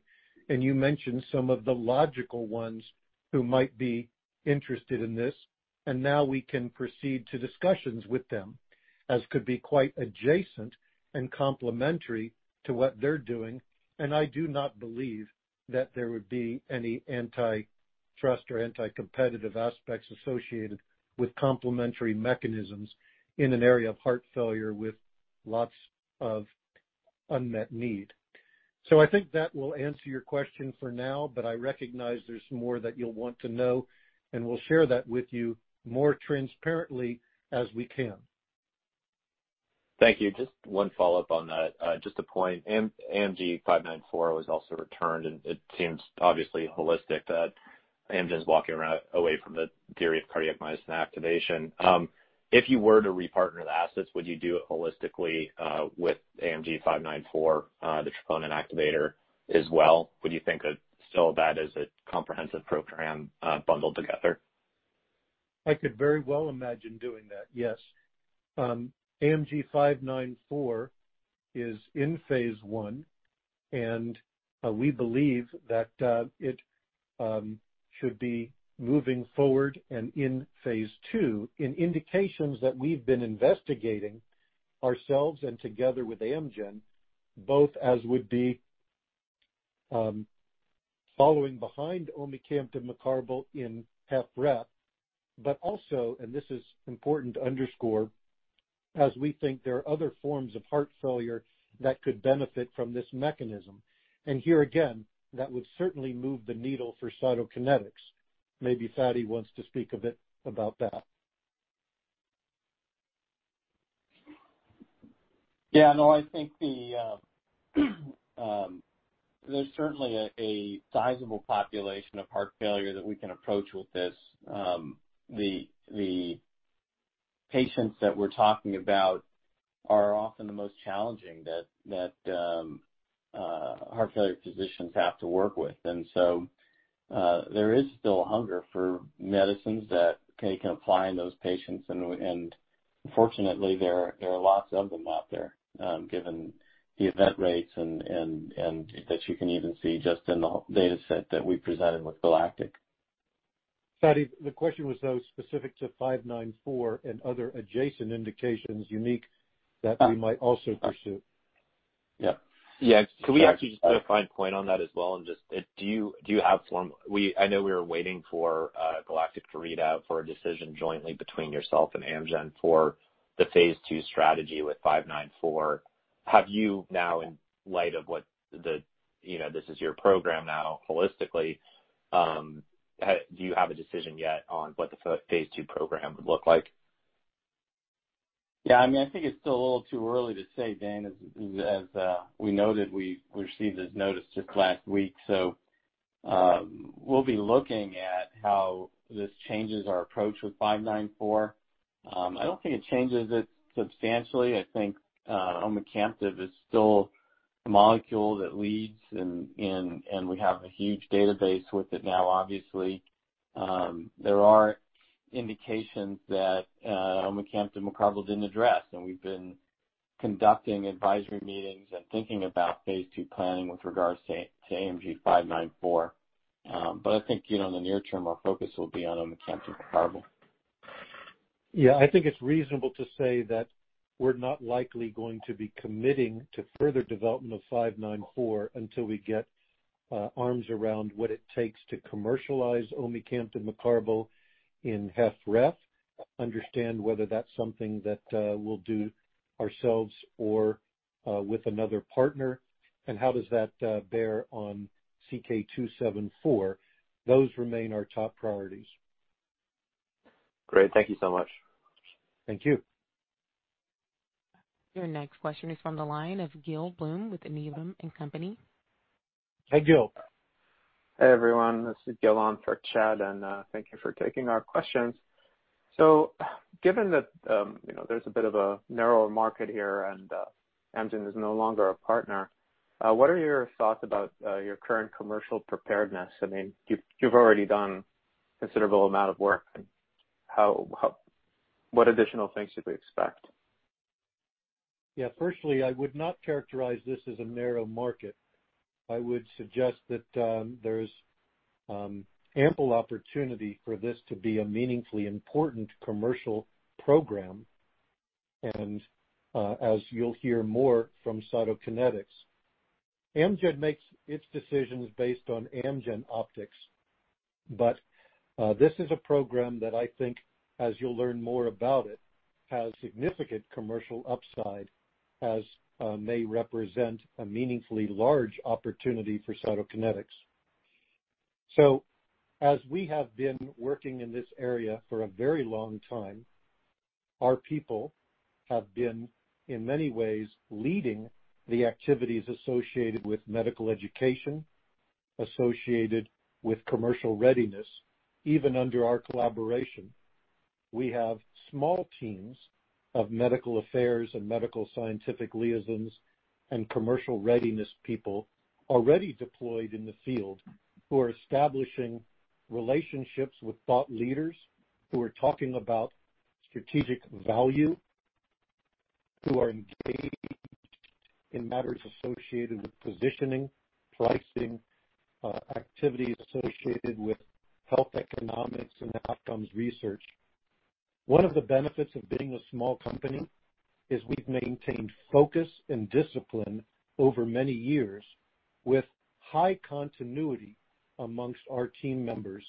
and you mentioned some of the logical ones who might be interested in this. Now we can proceed to discussions with them as could be quite adjacent and complementary to what they're doing. I do not believe that there would be any antitrust or anti-competitive aspects associated with complementary mechanisms in an area of heart failure with lots of unmet need. I think that will answer your question for now, but I recognize there's more that you'll want to know, and we'll share that with you more transparently as we can. Thank you. Just one follow-up on that. Just a point, AMG 594 was also returned, and it seems obviously holistic that Amgen's walking away from the theory of cardiac myosin activation. If you were to repartner the assets, would you do it holistically, with AMG 594, the troponin activator as well? Would you think of still that as a comprehensive program bundled together? I could very well imagine doing that, yes. AMG 594 is in phase I. We believe that it should be moving forward and in phase II in indications that we've been investigating ourselves and together with Amgen, both as would be following behind omecamtiv mecarbil in HFrEF. Also, and this is important to underscore, as we think there are other forms of heart failure that could benefit from this mechanism. Here again, that would certainly move the needle for Cytokinetics. Maybe Fady wants to speak a bit about that. Yeah, no, I think there's certainly a sizable population of heart failure that we can approach with this. The patients that we're talking about are often the most challenging that heart failure physicians have to work with. There is still a hunger for medicines that can apply in those patients and fortunately, there are lots of them out there, given the event rates and that you can even see just in the dataset that we presented with GALACTIC. Fady, the question was, though, specific to 594 and other adjacent indications unique that we might also pursue. Yeah. Yeah. Could we actually just get a fine point on that as well, and just do you have form? I know we were waiting for GALACTIC to read out for a decision jointly between yourself and Amgen for the phase II strategy with 594. Have you now, in light of this is your program now holistically, do you have a decision yet on what the phase II program would look like? I think it's still a little too early to say, Dane, as we noted, we received this notice just last week. We'll be looking at how this changes our approach with 594. I don't think it changes it substantially. I think omecamtiv is still a molecule that leads and we have a huge database with it now, obviously. There are indications that omecamtiv mecarbil didn't address, and we've been conducting advisory meetings and thinking about phase II planning with regards to AMG 594. I think, in the near term, our focus will be on omecamtiv mecarbil. Yeah, I think it's reasonable to say that we're not likely going to be committing to further development of 594 until we get our arms around what it takes to commercialize omecamtiv mecarbil in HFrEF, understand whether that's something that we'll do ourselves or with another partner, and how does that bear on CK-274. Those remain our top priorities. Great. Thank you so much. Thank you. Your next question is from the line of Gil Blum with Needham & Company. Hey, Gil. Hey, everyone. This is Gil on for Chad, and thank you for taking our questions. Given that there's a bit of a narrower market here and Amgen is no longer a partner, what are your thoughts about your current commercial preparedness? You've already done a considerable amount of work. What additional things should we expect? I would not characterize this as a narrow market. I would suggest that there's ample opportunity for this to be a meaningfully important commercial program and as you'll hear more from Cytokinetics. Amgen makes its decisions based on Amgen optics. This is a program that I think as you'll learn more about it, has significant commercial upside as may represent a meaningfully large opportunity for Cytokinetics. As we have been working in this area for a very long time, our people have been, in many ways, leading the activities associated with medical education, associated with commercial readiness, even under our collaboration. We have small teams of medical affairs and medical scientific liaisons and commercial readiness people already deployed in the field who are establishing relationships with thought leaders, who are talking about strategic value, who are engaged in matters associated with positioning, pricing, activities associated with health economics and outcomes research. One of the benefits of being a small company is we've maintained focus and discipline over many years with high continuity amongst our team members.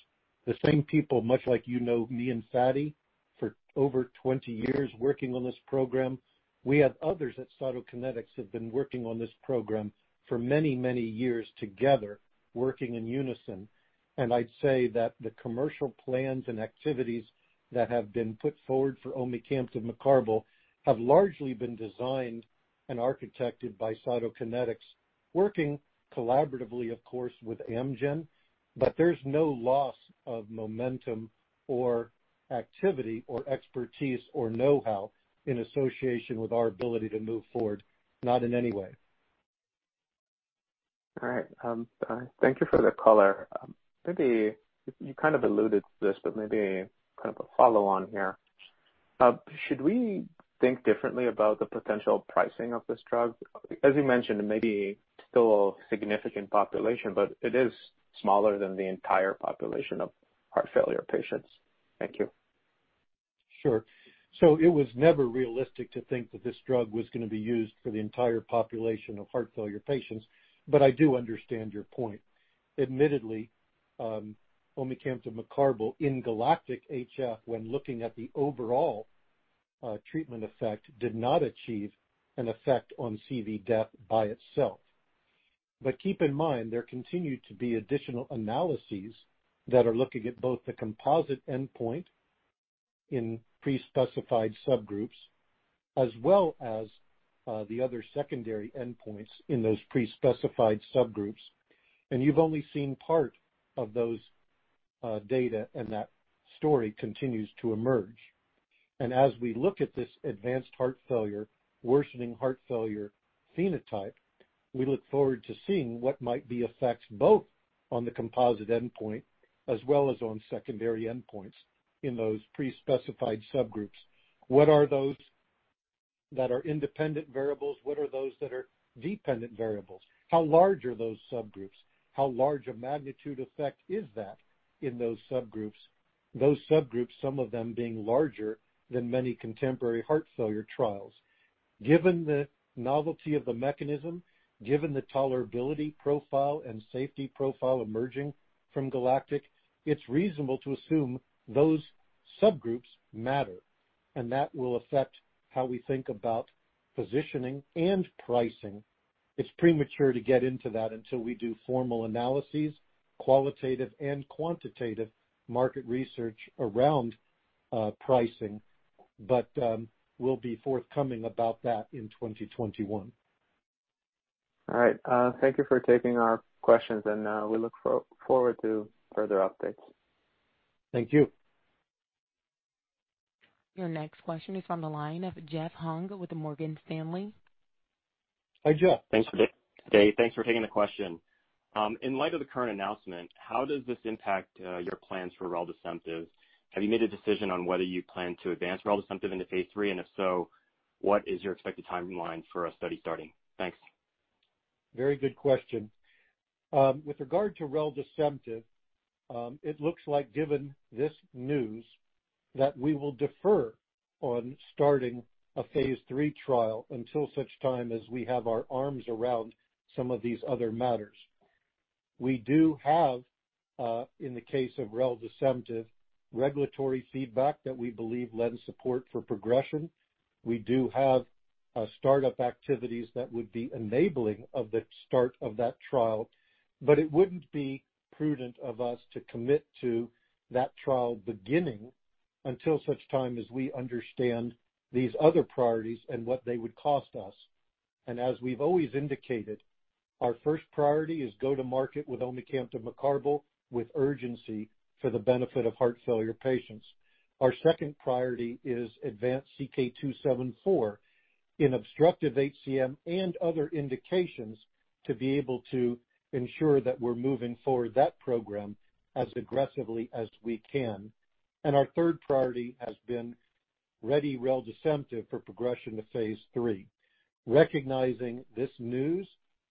The same people, much like you know me and Fady for over 20 years working on this program, we have others at Cytokinetics who've been working on this program for many, many years together, working in unison. I'd say that the commercial plans and activities that have been put forward for omecamtiv mecarbil have largely been designed and architected by Cytokinetics, working collaboratively, of course, with Amgen. There's no loss of momentum or activity or expertise or know-how in association with our ability to move forward, not in any way. All right. Thank you for the color. Maybe you kind of alluded to this, but maybe kind of a follow-on here. Should we think differently about the potential pricing of this drug? As you mentioned, it may be still a significant population, but it is smaller than the entire population of heart failure patients. Thank you. It was never realistic to think that this drug was going to be used for the entire population of heart failure patients, but I do understand your point. Admittedly, omecamtiv mecarbil in GALACTIC-HF, when looking at the overall treatment effect, did not achieve an effect on CV death by itself. Keep in mind, there continue to be additional analyses that are looking at both the composite endpoint in pre-specified subgroups as well as the other secondary endpoints in those pre-specified subgroups. You've only seen part of those data, and that story continues to emerge. As we look at this advanced heart failure, worsening heart failure phenotype, we look forward to seeing what might be effects both on the composite endpoint as well as on secondary endpoints in those pre-specified subgroups. What are those that are independent variables? What are those that are dependent variables? How large are those subgroups? How large a magnitude effect is that in those subgroups? Those subgroups, some of them being larger than many contemporary heart failure trials. Given the novelty of the mechanism, given the tolerability profile and safety profile emerging from GALACTIC, it's reasonable to assume those subgroups matter, and that will affect how we think about positioning and pricing. It's premature to get into that until we do formal analyses, qualitative and quantitative market research around pricing. We'll be forthcoming about that in 2021. All right. Thank you for taking our questions, and we look forward to further updates. Thank you. Your next question is on the line of Jeff Hung with Morgan Stanley. Hi, Jeff. Thanks for today. Thanks for taking the question. In light of the current announcement, how does this impact your plans for reldesemtiv? Have you made a decision on whether you plan to advance reldesemtiv into phase III, and if so, what is your expected timeline for a study starting? Thanks. Very good question. With regard to reldesemtiv, it looks like given this news, that we will defer on starting a phase III trial until such time as we have our arms around some of these other matters. We do have, in the case of reldesemtiv, regulatory feedback that we believe lends support for progression. We do have startup activities that would be enabling of the start of that trial, but it wouldn't be prudent of us to commit to that trial beginning until such time as we understand these other priorities and what they would cost us. As we've always indicated, our first priority is go to market with omecamtiv mecarbil with urgency for the benefit of heart failure patients. Our second priority is advance CK-274 in obstructive HCM and other indications to be able to ensure that we're moving forward that program as aggressively as we can. Our third priority has been ready reldesemtiv for progression to Phase III. Recognizing this news,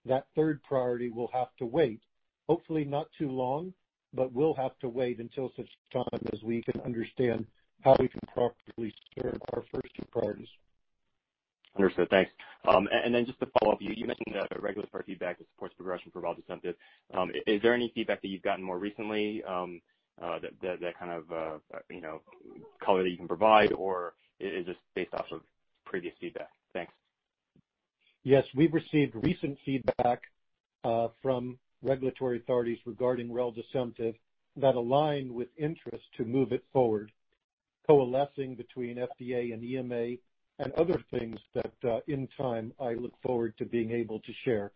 that third priority will have to wait. Hopefully not too long, but we'll have to wait until such time as we can understand how we can properly serve our first two priorities. Understood. Thanks. Then just to follow up, you mentioned regulatory feedback that supports progression for reldesemtiv. Is there any feedback that you've gotten more recently that kind of color that you can provide, or is this based off of previous feedback? Thanks. Yes, we've received recent feedback from regulatory authorities regarding reldesemtiv that align with interest to move it forward, coalescing between FDA and EMA and other things that in time I look forward to being able to share.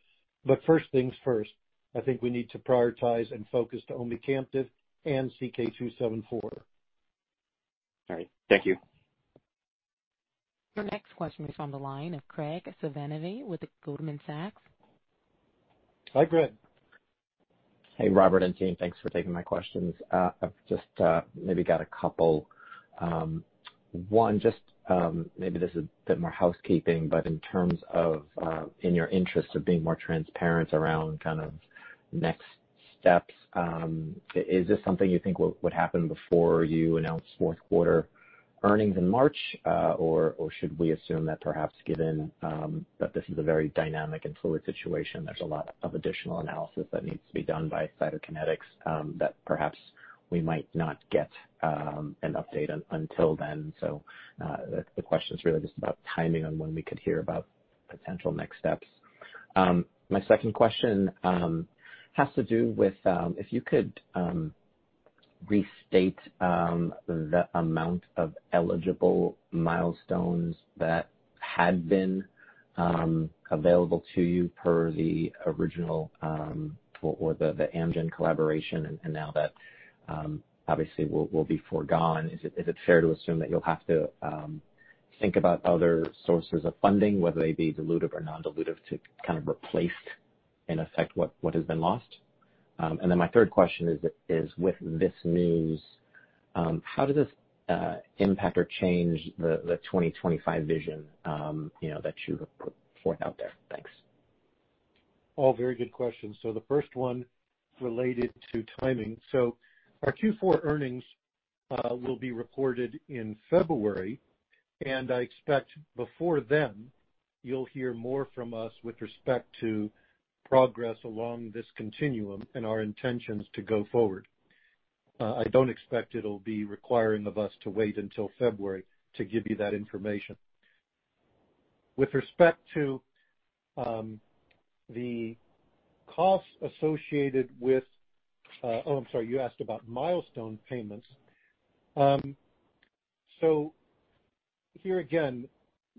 First things first, I think we need to prioritize and focus to omecamtiv and CK-274. All right. Thank you. Your next question is on the line of Graig Suvannavejh with Goldman Sachs. Hi, Graig. Hey, Robert and team. Thanks for taking my questions. I've just maybe got a couple. One, just maybe this is a bit more housekeeping, but in terms of in your interest of being more transparent around kind of next steps, is this something you think would happen before you announce fourth quarter earnings in March? Should we assume that perhaps given that this is a very dynamic and fluid situation, there's a lot of additional analysis that needs to be done by Cytokinetics that perhaps we might not get an update until then. The question's really just about timing on when we could hear about potential next steps. My second question has to do with if you could restate the amount of eligible milestones that had been available to you per the original or the Amgen collaboration, and now that obviously will be forgone. Is it fair to assume that you'll have to think about other sources of funding, whether they be dilutive or non-dilutive, to replace in effect what has been lost? My third question is, with this news, how did this impact or change the Vision 2025 that you have put forth out there? Thanks. All very good questions. The first one related to timing. Our Q4 earnings will be recorded in February, and I expect before then you'll hear more from us with respect to progress along this continuum and our intentions to go forward. I don't expect it'll be requiring of us to wait until February to give you that information. With respect to the costs associated with, I'm sorry, you asked about milestone payments. Here again,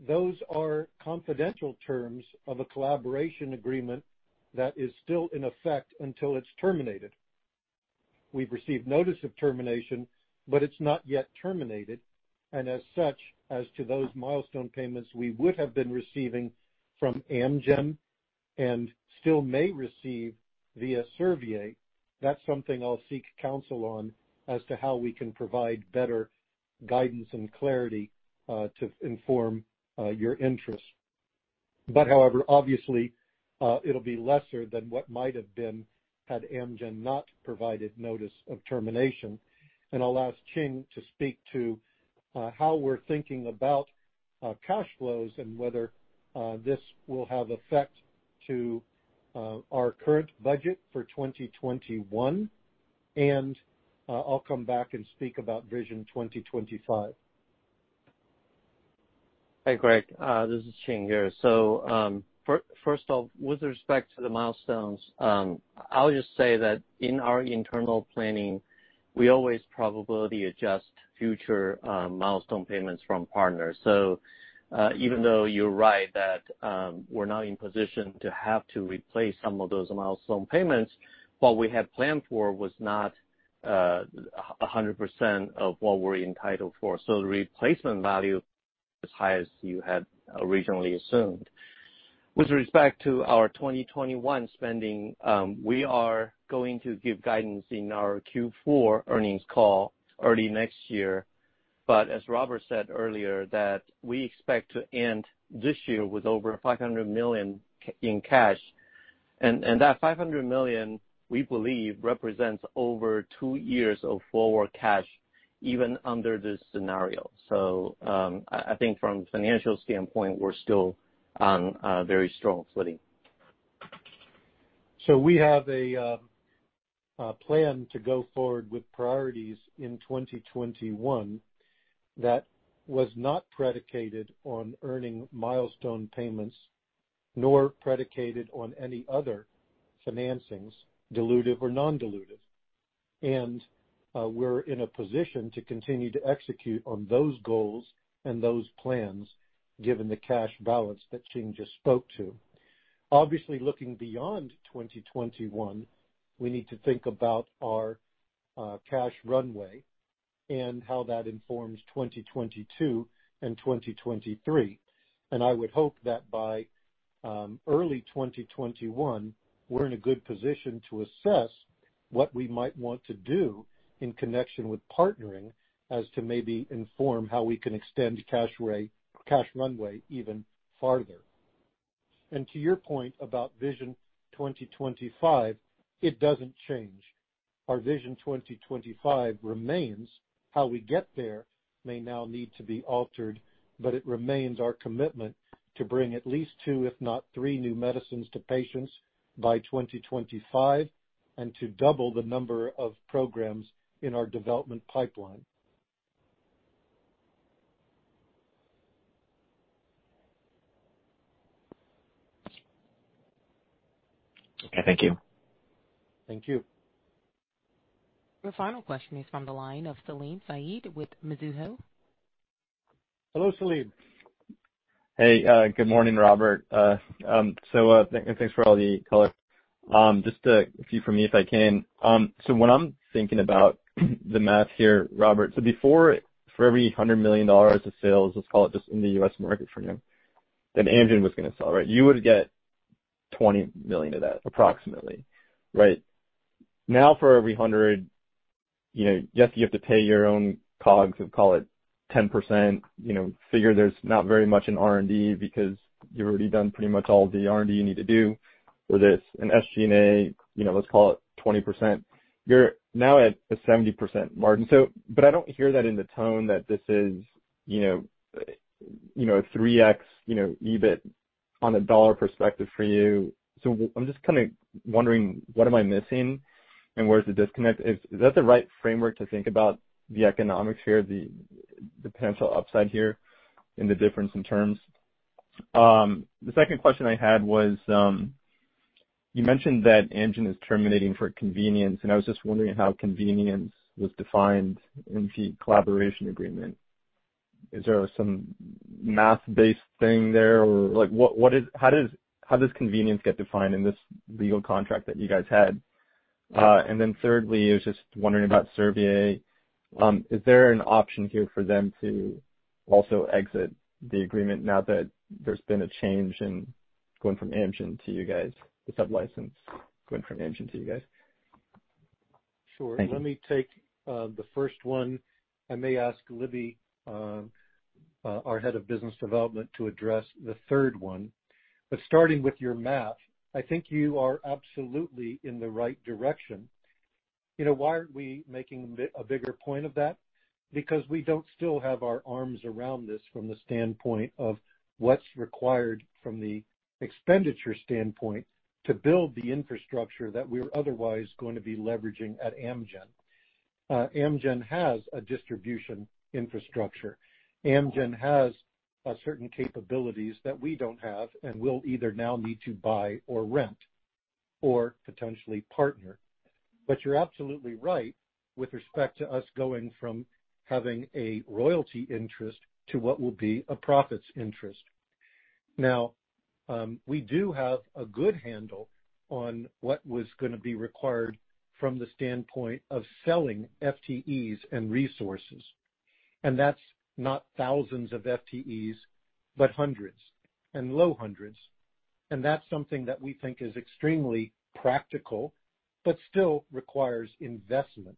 those are confidential terms of a collaboration agreement that is still in effect until it's terminated. We've received notice of termination, but it's not yet terminated, and as such, as to those milestone payments we would have been receiving from Amgen and still may receive via Servier, that's something I'll seek counsel on as to how we can provide better guidance and clarity to inform your interest. However, obviously, it'll be lesser than what might have been had Amgen not provided notice of termination. I'll ask Ching to speak to how we're thinking about cash flows and whether this will have effect to our current budget for 2021. I'll come back and speak about Vision 2025. Hey, Graig. This is Ching here. First off, with respect to the milestones, I'll just say that in our internal planning, we always probability adjust future milestone payments from partners. Even though you're right that we're now in position to have to replace some of those milestone payments, what we had planned for was not 100% of what we're entitled for. The replacement value as high as you had originally assumed. With respect to our 2021 spending, we are going to give guidance in our Q4 earnings call early next year. As Robert said earlier, that we expect to end this year with over $500 million in cash. That $500 million, we believe, represents over two years of forward cash even under this scenario. I think from a financial standpoint, we're still on a very strong footing. We have a plan to go forward with priorities in 2021 that was not predicated on earning milestone payments nor predicated on any other financings, dilutive or non-dilutive. We're in a position to continue to execute on those goals and those plans, given the cash balance that Ching just spoke to. Obviously, looking beyond 2021, we need to think about our cash runway and how that informs 2022 and 2023. I would hope that by early 2021, we're in a good position to assess what we might want to do in connection with partnering as to maybe inform how we can extend cash runway even farther. To your point about Vision 2025, it doesn't change. Our Vision 2025 remains. How we get there may now need to be altered, but it remains our commitment to bring at least two, if not three, new medicines to patients by 2025, and to double the number of programs in our development pipeline. Okay, thank you. Thank you. Your final question is from the line of Salim Syed with Mizuho. Hello, Salim. Hey, good morning, Robert. Thanks for all the color. Just a few from me, if I can. When I'm thinking about the math here, Robert, before, for every $100 million of sales, let's call it just in the U.S. market for now, that Amgen was going to sell, right? You would get $20 million of that approximately, right? Now for every 100, yes, you have to pay your own COGS of call it 10%, figure there's not very much in R&D because you've already done pretty much all the R&D you need to do for this, and SG&A, let's call it 20%. You're now at a 70% margin. I don't hear that in the tone that this is 3x EBIT on a dollar perspective for you. I'm just kind of wondering, what am I missing and where is the disconnect? Is that the right framework to think about the economics here, the potential upside here in the difference in terms? The second question I had was. You mentioned that Amgen is terminating for convenience, and I was just wondering how convenience was defined in the collaboration agreement. Is there some math-based thing there? How does convenience get defined in this legal contract that you guys had? Thirdly, I was just wondering about Servier. Is there an option here for them to also exit the agreement now that there's been a change in going from Amgen to you guys, the sublicense going from Amgen to you guys? Sure. Thank you. Let me take the first one. I may ask Libby, our head of business development, to address the third one. Starting with your math, I think you are absolutely in the right direction. Why aren't we making a bigger point of that? Because we don't still have our arms around this from the standpoint of what's required from the expenditure standpoint to build the infrastructure that we're otherwise going to be leveraging at Amgen. Amgen has a distribution infrastructure. Amgen has certain capabilities that we don't have and will either now need to buy or rent or potentially partner. You're absolutely right with respect to us going from having a royalty interest to what will be a profits interest. Now, we do have a good handle on what was going to be required from the standpoint of selling FTEs and resources, that's not thousands of FTEs, but hundreds and low hundreds. That's something that we think is extremely practical but still requires investment.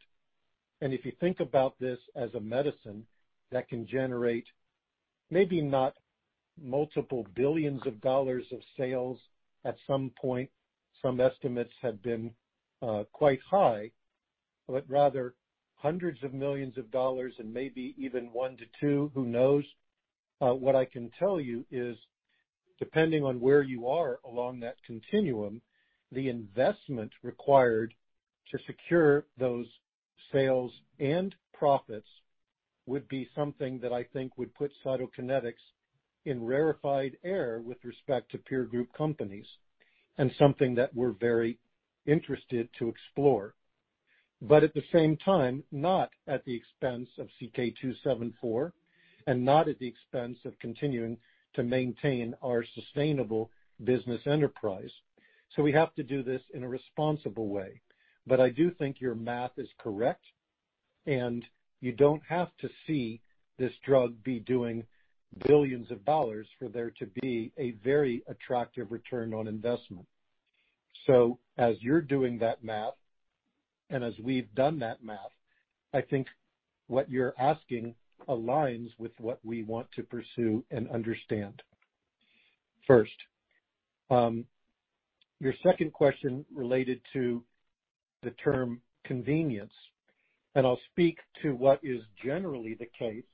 If you think about this as a medicine that can generate maybe not multiple billions of dollars of sales at some point, some estimates have been quite high, but rather hundreds of millions of dollars and maybe even one to two, who knows? What I can tell you is, depending on where you are along that continuum, the investment required to secure those sales and profits would be something that I think would put Cytokinetics in rarefied air with respect to peer group companies and something that we're very interested to explore. At the same time, not at the expense of CK-274 and not at the expense of continuing to maintain our sustainable business enterprise. We have to do this in a responsible way. I do think your math is correct, and you don't have to see this drug be doing billions of dollars for there to be a very attractive return on investment. As you're doing that math, and as we've done that math, I think what you're asking aligns with what we want to pursue and understand first. Your second question related to the term convenience, and I'll speak to what is generally the case.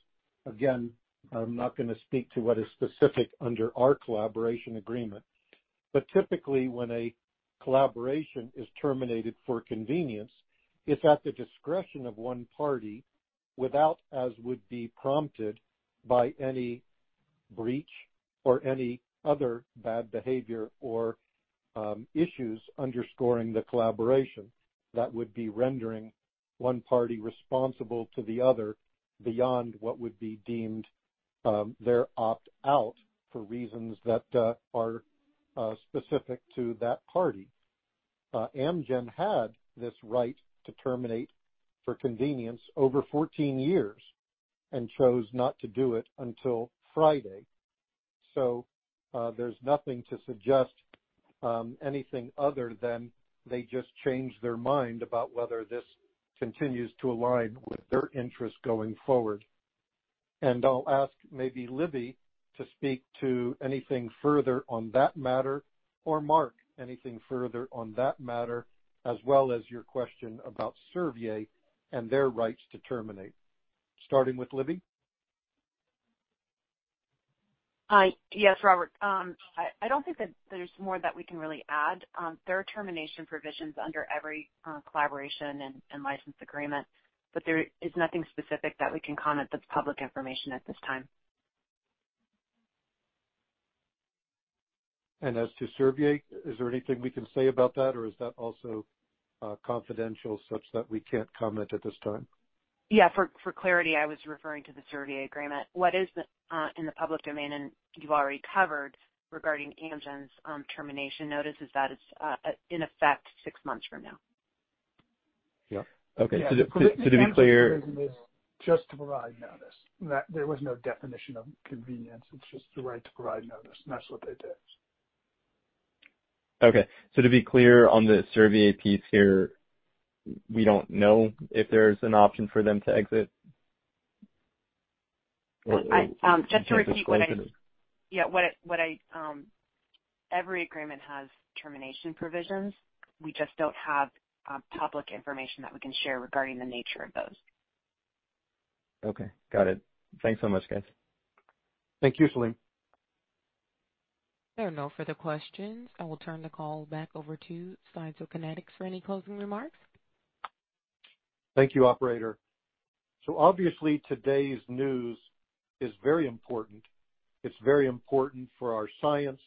Again, I'm not going to speak to what is specific under our collaboration agreement. Typically when a collaboration is terminated for convenience, it's at the discretion of one party without as would be prompted by any breach or any other bad behavior or issues underscoring the collaboration that would be rendering one party responsible to the other beyond what would be deemed their opt-out for reasons that are specific to that party. Amgen had this right to terminate for convenience over 14 years. Chose not to do it until Friday. There's nothing to suggest anything other than they just changed their mind about whether this continues to align with their interest going forward. I'll ask maybe Libby to speak to anything further on that matter or Mark anything further on that matter, as well as your question about Servier and their rights to terminate. Starting with Libby. Yes, Robert. I don't think that there's more that we can really add. There are termination provisions under every collaboration and license agreement, but there is nothing specific that we can comment that's public information at this time. As to Servier, is there anything we can say about that or is that also confidential such that we can't comment at this time? For clarity, I was referring to the Servier agreement. What is in the public domain, and you've already covered regarding Amgen's termination notice, is that it's in effect six months from now. Yeah. Okay. to be clear Just to provide notice. There was no definition of convenience. It's just the right to provide notice. That's what they did. Okay. To be clear on the Servier piece here, we don't know if there's an option for them to exit? Just to repeat, every agreement has termination provisions. We just don't have public information that we can share regarding the nature of those. Okay. Got it. Thanks so much, guys. Thank you, Salim. There are no further questions. I will turn the call back over to Cytokinetics for any closing remarks. Thank you, operator. Obviously, today's news is very important. It's very important for our science,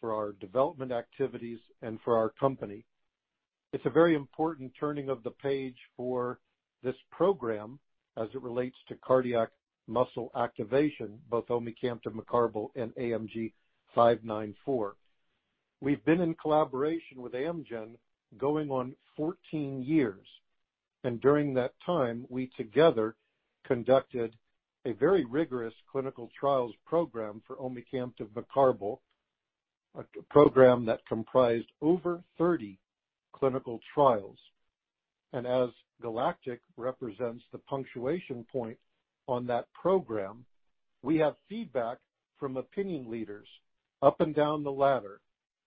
for our development activities, and for our company. It's a very important turning of the page for this program as it relates to cardiac muscle activation, both omecamtiv mecarbil and AMG 594. We've been in collaboration with Amgen going on 14 years, and during that time, we together conducted a very rigorous clinical trials program for omecamtiv mecarbil, a program that comprised over 30 clinical trials. As GALACTIC represents the punctuation point on that program, we have feedback from opinion leaders up and down the ladder,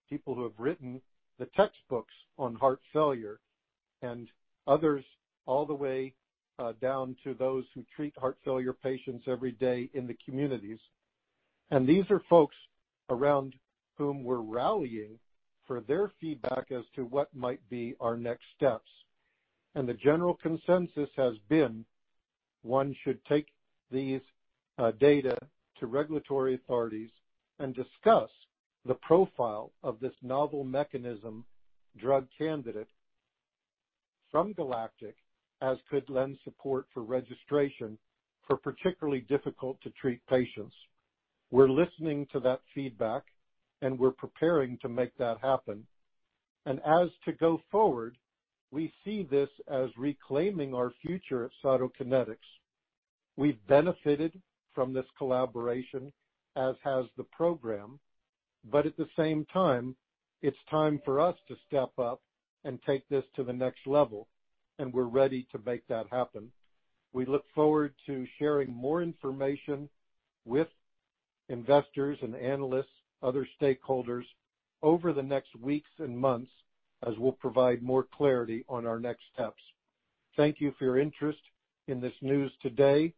people who have written the textbooks on heart failure and others, all the way down to those who treat heart failure patients every day in the communities. These are folks around whom we're rallying for their feedback as to what might be our next steps. The general consensus has been, one should take these data to regulatory authorities and discuss the profile of this novel mechanism drug candidate from GALACTIC, as could lend support for registration for particularly difficult-to-treat patients. We're listening to that feedback, and we're preparing to make that happen. As to go forward, we see this as reclaiming our future at Cytokinetics. We've benefited from this collaboration, as has the program. At the same time, it's time for us to step up and take this to the next level, and we're ready to make that happen. We look forward to sharing more information with investors and analysts, other stakeholders over the next weeks and months as we'll provide more clarity on our next steps. Thank you for your interest in this news today.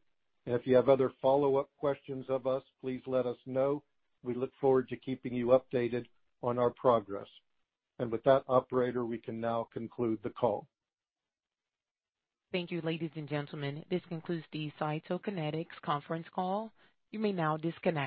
If you have other follow-up questions of us, please let us know. We look forward to keeping you updated on our progress. With that, operator, we can now conclude the call. Thank you, ladies and gentlemen. This concludes the Cytokinetics conference call. You may now disconnect.